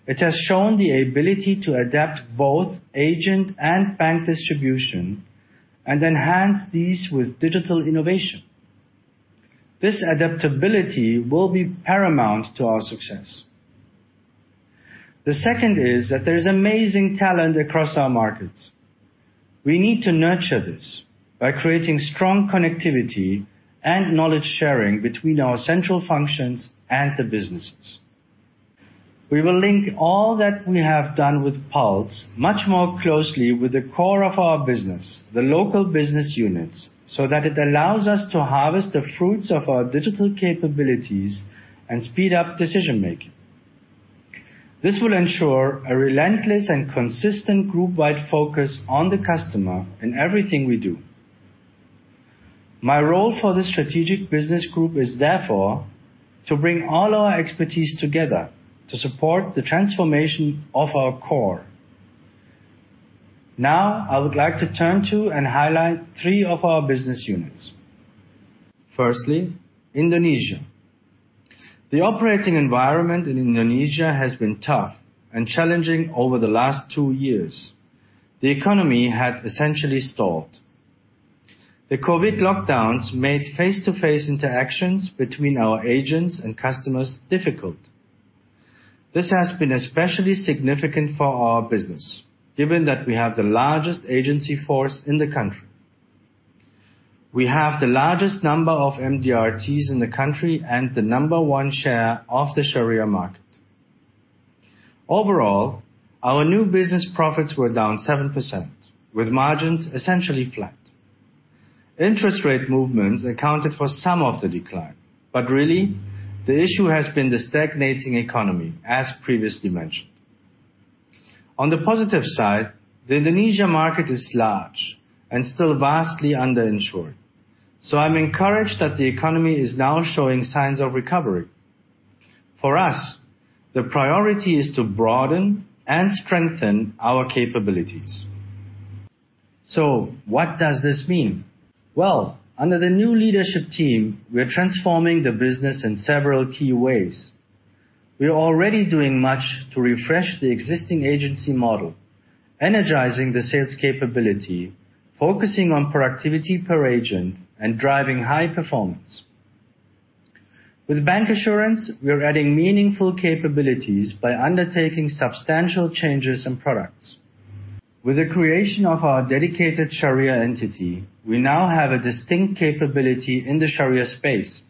It has shown the ability to adapt both agent and bank distribution and enhance these with digital innovation. This adaptability will be paramount to our success. The second is that there's amazing talent across our markets. We need to nurture this by creating strong connectivity and knowledge sharing between our central functions and the businesses. We will link all that we have done with Pulse much more closely with the core of our business, the local business units, so that it allows us to harvest the fruits of our digital capabilities and speed up decision-making. This will ensure a relentless and consistent group-wide focus on the customer in everything we do. My role for this strategic business group is, therefore, to bring all our expertise together to support the transformation of our core. Now, I would like to turn to and highlight three of our business units. Firstly, Indonesia. The operating environment in Indonesia has been tough and challenging over the last two years. The economy had essentially stalled. The COVID lockdowns made face-to-face interactions between our agents and customers difficult. This has been especially significant for our business, given that we have the largest agency force in the country. We have the largest number of MDRTs in the country and the number one share of the Sharia market. Overall, our new business profits were down 7%, with margins essentially flat. Interest rate movements accounted for some of the decline, but really the issue has been the stagnating economy, as previously mentioned. On the positive side, the Indonesia market is large and still vastly under-insured. I'm encouraged that the economy is now showing signs of recovery. For us, the priority is to broaden and strengthen our capabilities. What does this mean? Well, under the new leadership team, we're transforming the business in several key ways. We are already doing much to refresh the existing agency model, energizing the sales capability, focusing on productivity per agent, and driving high performance. With bancassurance, we are adding meaningful capabilities by undertaking substantial changes in products. With the creation of our dedicated Sharia entity, we now have a distinct capability in the Sharia space.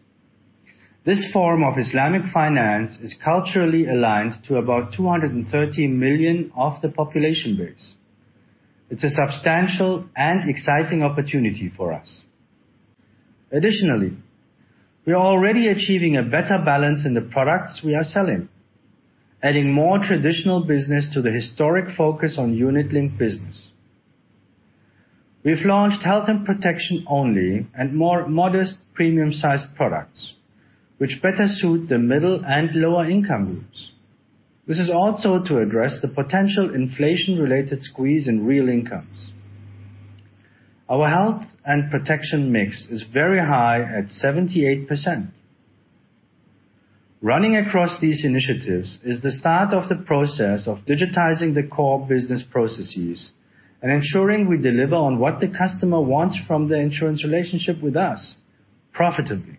This form of Islamic finance is culturally aligned to about 230 million of the population base. It's a substantial and exciting opportunity for us. Additionally, we are already achieving a better balance in the products we are selling, adding more traditional business to the historic focus on unit link business. We've launched health and protection only and more modest premium-sized products, which better suit the middle and lower income groups. This is also to address the potential inflation-related squeeze in real incomes. Our health and protection mix is very high at 78%. Running across these initiatives is the start of the process of digitizing the core business processes and ensuring we deliver on what the customer wants from the insurance relationship with us profitably.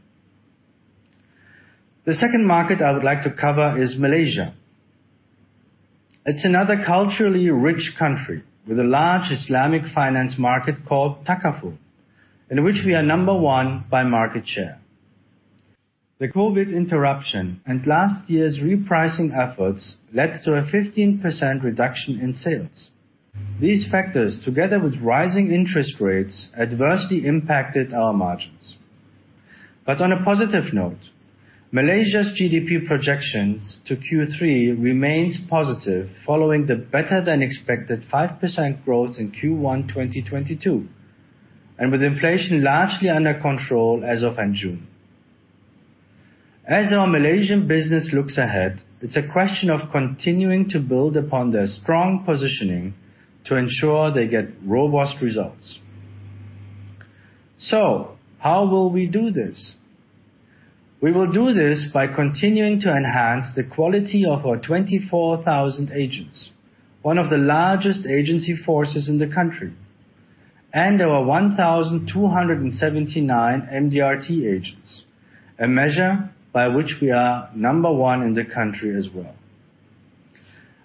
The second market I would like to cover is Malaysia. It's another culturally rich country with a large Islamic finance market called Takaful, in which we are number one by market share. The COVID interruption and last year's repricing efforts led to a 15% reduction in sales. These factors, together with rising interest rates, adversely impacted our margins. On a positive note, Malaysia's GDP projections to Q3 remains positive following the better than expected 5% growth in Q1 2022, and with inflation largely under control as of end June. As our Malaysian business looks ahead, it's a question of continuing to build upon their strong positioning to ensure they get robust results. How will we do this? We will do this by continuing to enhance the quality of our 24,000 agents, one of the largest agency forces in the country, and our 1,279 MDRT agents, a measure by which we are number one in the country as well.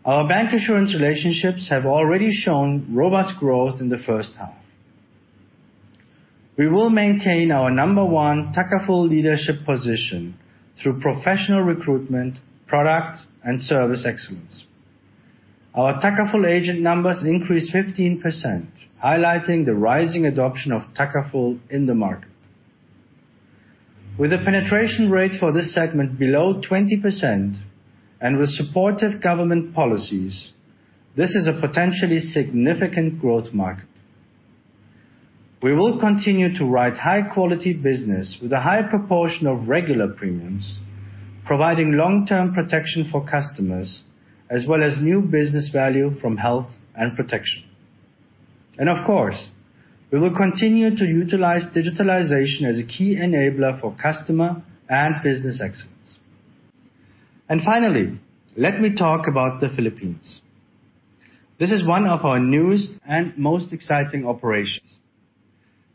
Our bank insurance relationships have already shown robust growth in the first half. We will maintain our number one Takaful leadership position through professional recruitment, product, and service excellence. Our Takaful agent numbers increased 15%, highlighting the rising adoption of Takaful in the market. With the penetration rate for this segment below 20% and with supportive government policies, this is a potentially significant growth market. We will continue to write high quality business with a high proportion of regular premiums, providing long-term protection for customers, as well as new business value from health and protection. Of course, we will continue to utilize digitalization as a key enabler for customer and business excellence. Finally, let me talk about the Philippines. This is one of our newest and most exciting operations.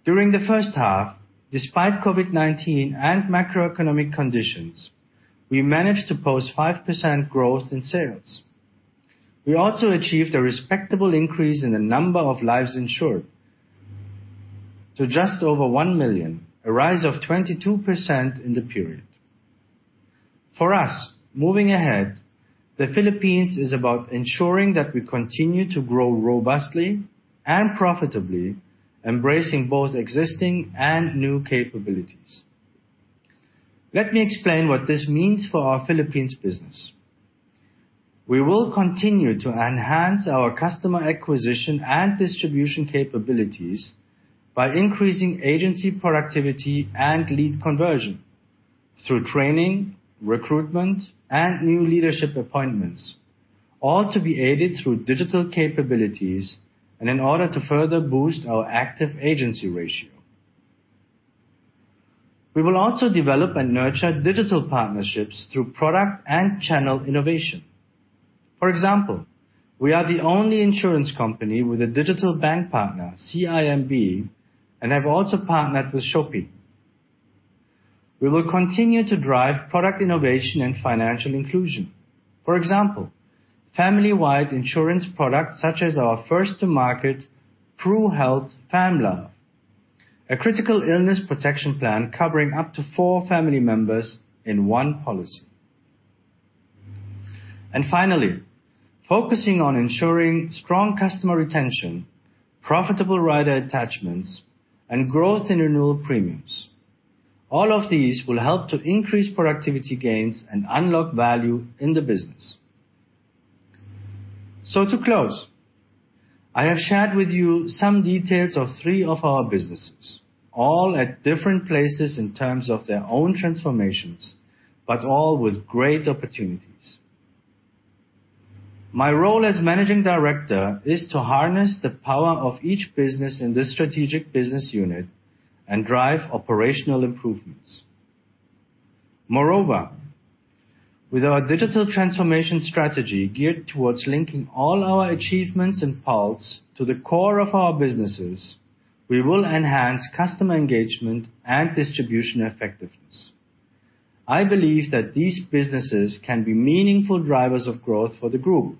During the first half, despite COVID-19 and macroeconomic conditions, we managed to post 5% growth in sales. We also achieved a respectable increase in the number of lives insured to just over 1 million, a rise of 22% in the period. For us, moving ahead, the Philippines is about ensuring that we continue to grow robustly and profitably, embracing both existing and new capabilities. Let me explain what this means for our Philippines business. We will continue to enhance our customer acquisition and distribution capabilities by increasing agency productivity and lead conversion through training, recruitment, and new leadership appointments, all to be aided through digital capabilities and in order to further boost our active agency ratio. We will also develop and nurture digital partnerships through product and channel innovation. For example, we are the only insurance company with a digital bank partner, CIMB, and have also partnered with Shopee. We will continue to drive product innovation and financial inclusion. For example, family-wide insurance products such as our first to market PRUHealth FamLove. A critical illness protection plan covering up to four family members in one policy. Finally, focusing on ensuring strong customer retention, profitable rider attachments, and growth in renewal premiums. All of these will help to increase productivity gains and unlock value in the business. To close, I have shared with you some details of three of our businesses, all at different places in terms of their own transformations, but all with great opportunities. My role as Managing Director is to harness the power of each business in this strategic business unit and drive operational improvements. Moreover, with our digital transformation strategy geared towards linking all our achievements and Pulse to the core of our businesses, we will enhance customer engagement and distribution effectiveness. I believe that these businesses can be meaningful drivers of growth for the Group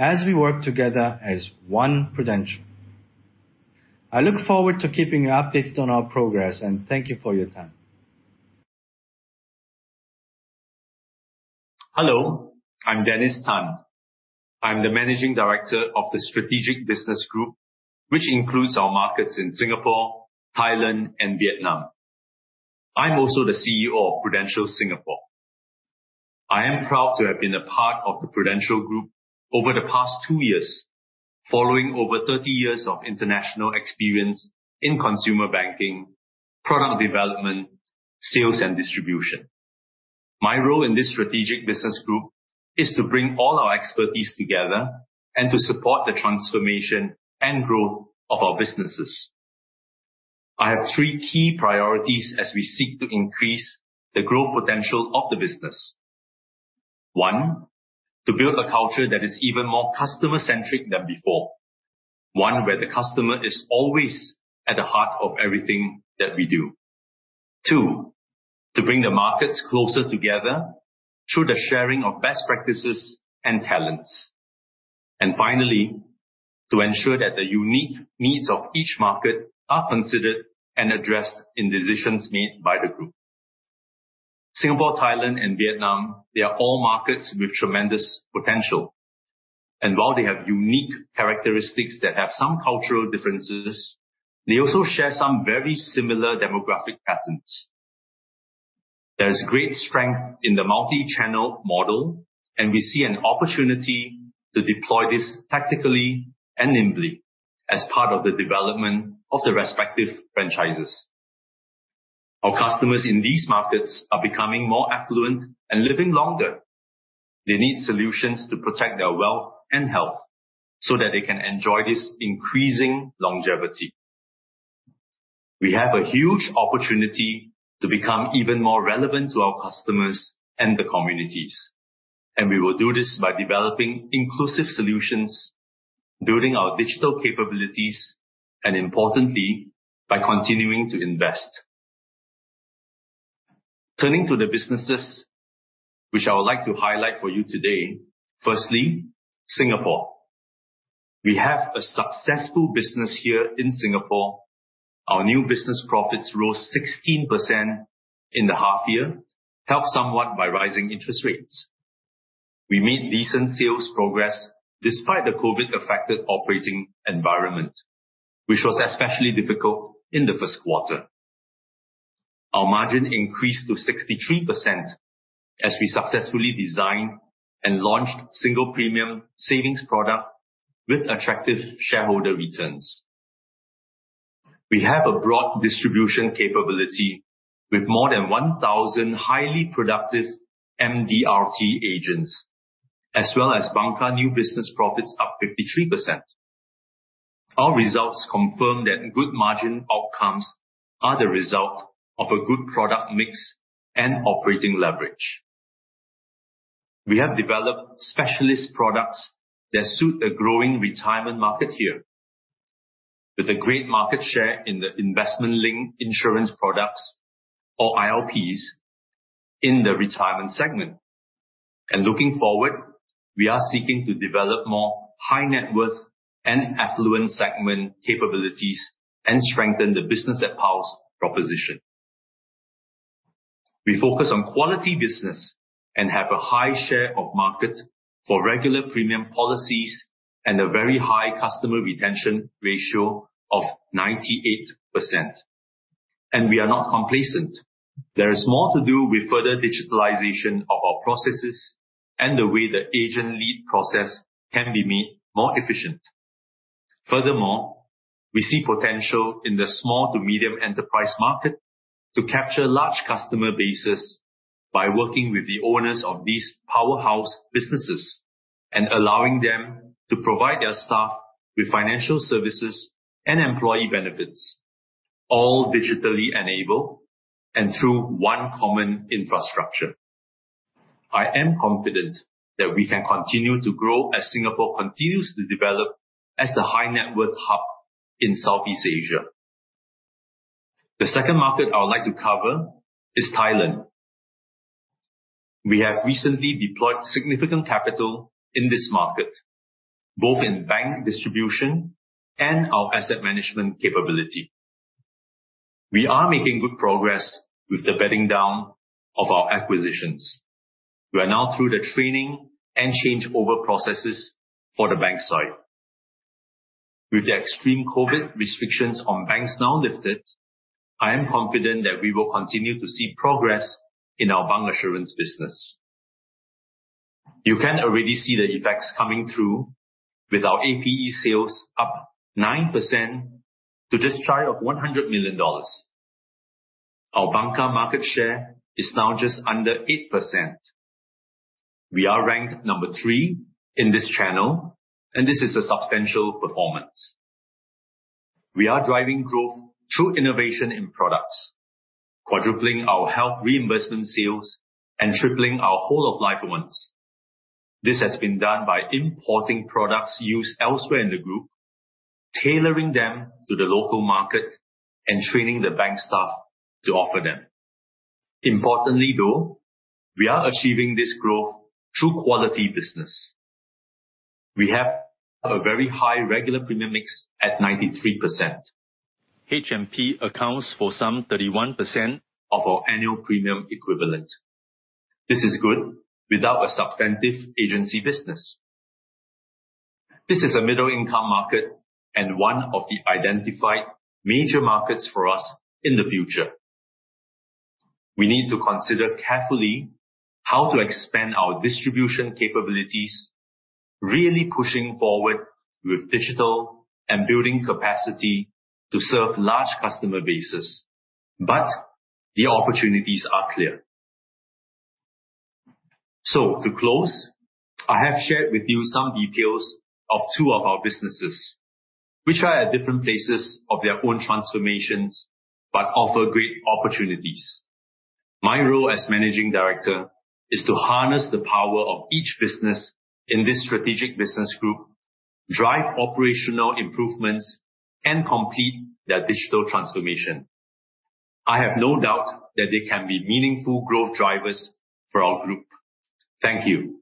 as we work together as one Prudential. I look forward to keeping you updated on our progress, and thank you for your time. Hello, I'm Dennis Tan. I'm the Managing Director of the Strategic Business Group, which includes our markets in Singapore, Thailand, and Vietnam. I'm also the CEO of Prudential Singapore. I am proud to have been a part of the Prudential Group over the past two years, following over 30 years of international experience in consumer banking, product development, sales, and distribution. My role in this Strategic Business Group is to bring all our expertise together and to support the transformation and growth of our businesses. I have three key priorities as we seek to increase the growth potential of the business. 1, to build a culture that is even more customer-centric than before, one where the customer is always at the heart of everything that we do. Two, to bring the markets closer together through the sharing of best practices and talents. Finally, to ensure that the unique needs of each market are considered and addressed in decisions made by the Group. Singapore, Thailand, and Vietnam, they are all markets with tremendous potential. While they have unique characteristics that have some cultural differences, they also share some very similar demographic patterns. There is great strength in the multi-channel model, and we see an opportunity to deploy this tactically and nimbly as part of the development of the respective franchises. Our customers in these markets are becoming more affluent and living longer. They need solutions to protect their wealth and health so that they can enjoy this increasing longevity. We have a huge opportunity to become even more relevant to our customers and the communities, and we will do this by developing inclusive solutions, building our digital capabilities, and importantly, by continuing to invest. Turning to the businesses which I would like to highlight for you today. Firstly, Singapore. We have a successful business here in Singapore. Our new business profits rose 16% in the half year, helped somewhat by rising interest rates. We made decent sales progress despite the COVID-affected operating environment, which was especially difficult in the Q1. Our margin increased to 63% as we successfully designed and launched single premium savings product with attractive shareholder returns. We have a broad distribution capability with more than 1,000 highly productive MDRT agents, as well as bancassurance new business profits up 53%. Our results confirm that good margin outcomes are the result of a good product mix and operating leverage. We have developed specialist products that suit a growing retirement market here with a great market share in the investment-linked insurance products or ILPs in the retirement segment. Looking forward, we are seeking to develop more high-net-worth and affluent segment capabilities and strengthen the business at Pulse proposition. We focus on quality business and have a high share of market for regular premium policies and a very high customer retention ratio of 98%. We are not complacent. There is more to do with further digitalization of our processes and the way the agent-led process can be made more efficient. Furthermore, we see potential in the small to medium enterprise market to capture large customer bases by working with the owners of these powerhouse businesses and allowing them to provide their staff with financial services and employee benefits, all digitally enabled and through one common infrastructure. I am confident that we can continue to grow as Singapore continues to develop as the high-net worth hub in Southeast Asia. The second market I would like to cover is Thailand. We have recently deployed significant capital in this market, both in bank distribution and our asset management capability. We are making good progress with the bedding down of our acquisitions. We are now through the training and changeover processes for the bank side. With the extreme COVID restrictions on banks now lifted, I am confident that we will continue to see progress in our bancassurance business. You can already see the effects coming through with our APE sales up 9% to just shy of $100 million. Our bancassurance market share is now just under 8%. We are ranked number three in this channel, and this is a substantial performance. We are driving growth through innovation in products, quadrupling our health reimbursement sales and tripling our whole of life ones. This has been done by importing products used elsewhere in the group, tailoring them to the local market, and training the bank staff to offer them. Importantly, though, we are achieving this growth through quality business. We have a very high regular premium mix at 93%. H&P accounts for some 31% of our annual premium equivalent. This is good without a substantive agency business. This is a middle income market and one of the identified major markets for us in the future. We need to consider carefully how to expand our distribution capabilities, really pushing forward with digital and building capacity to serve large customer bases. The opportunities are clear. To close, I have shared with you some details of two of our businesses which are at different places of their own transformations but offer great opportunities. My role as managing director is to harness the power of each business in this strategic business group, drive operational improvements, and complete their digital transformation. I have no doubt that they can be meaningful growth drivers for our group. Thank you.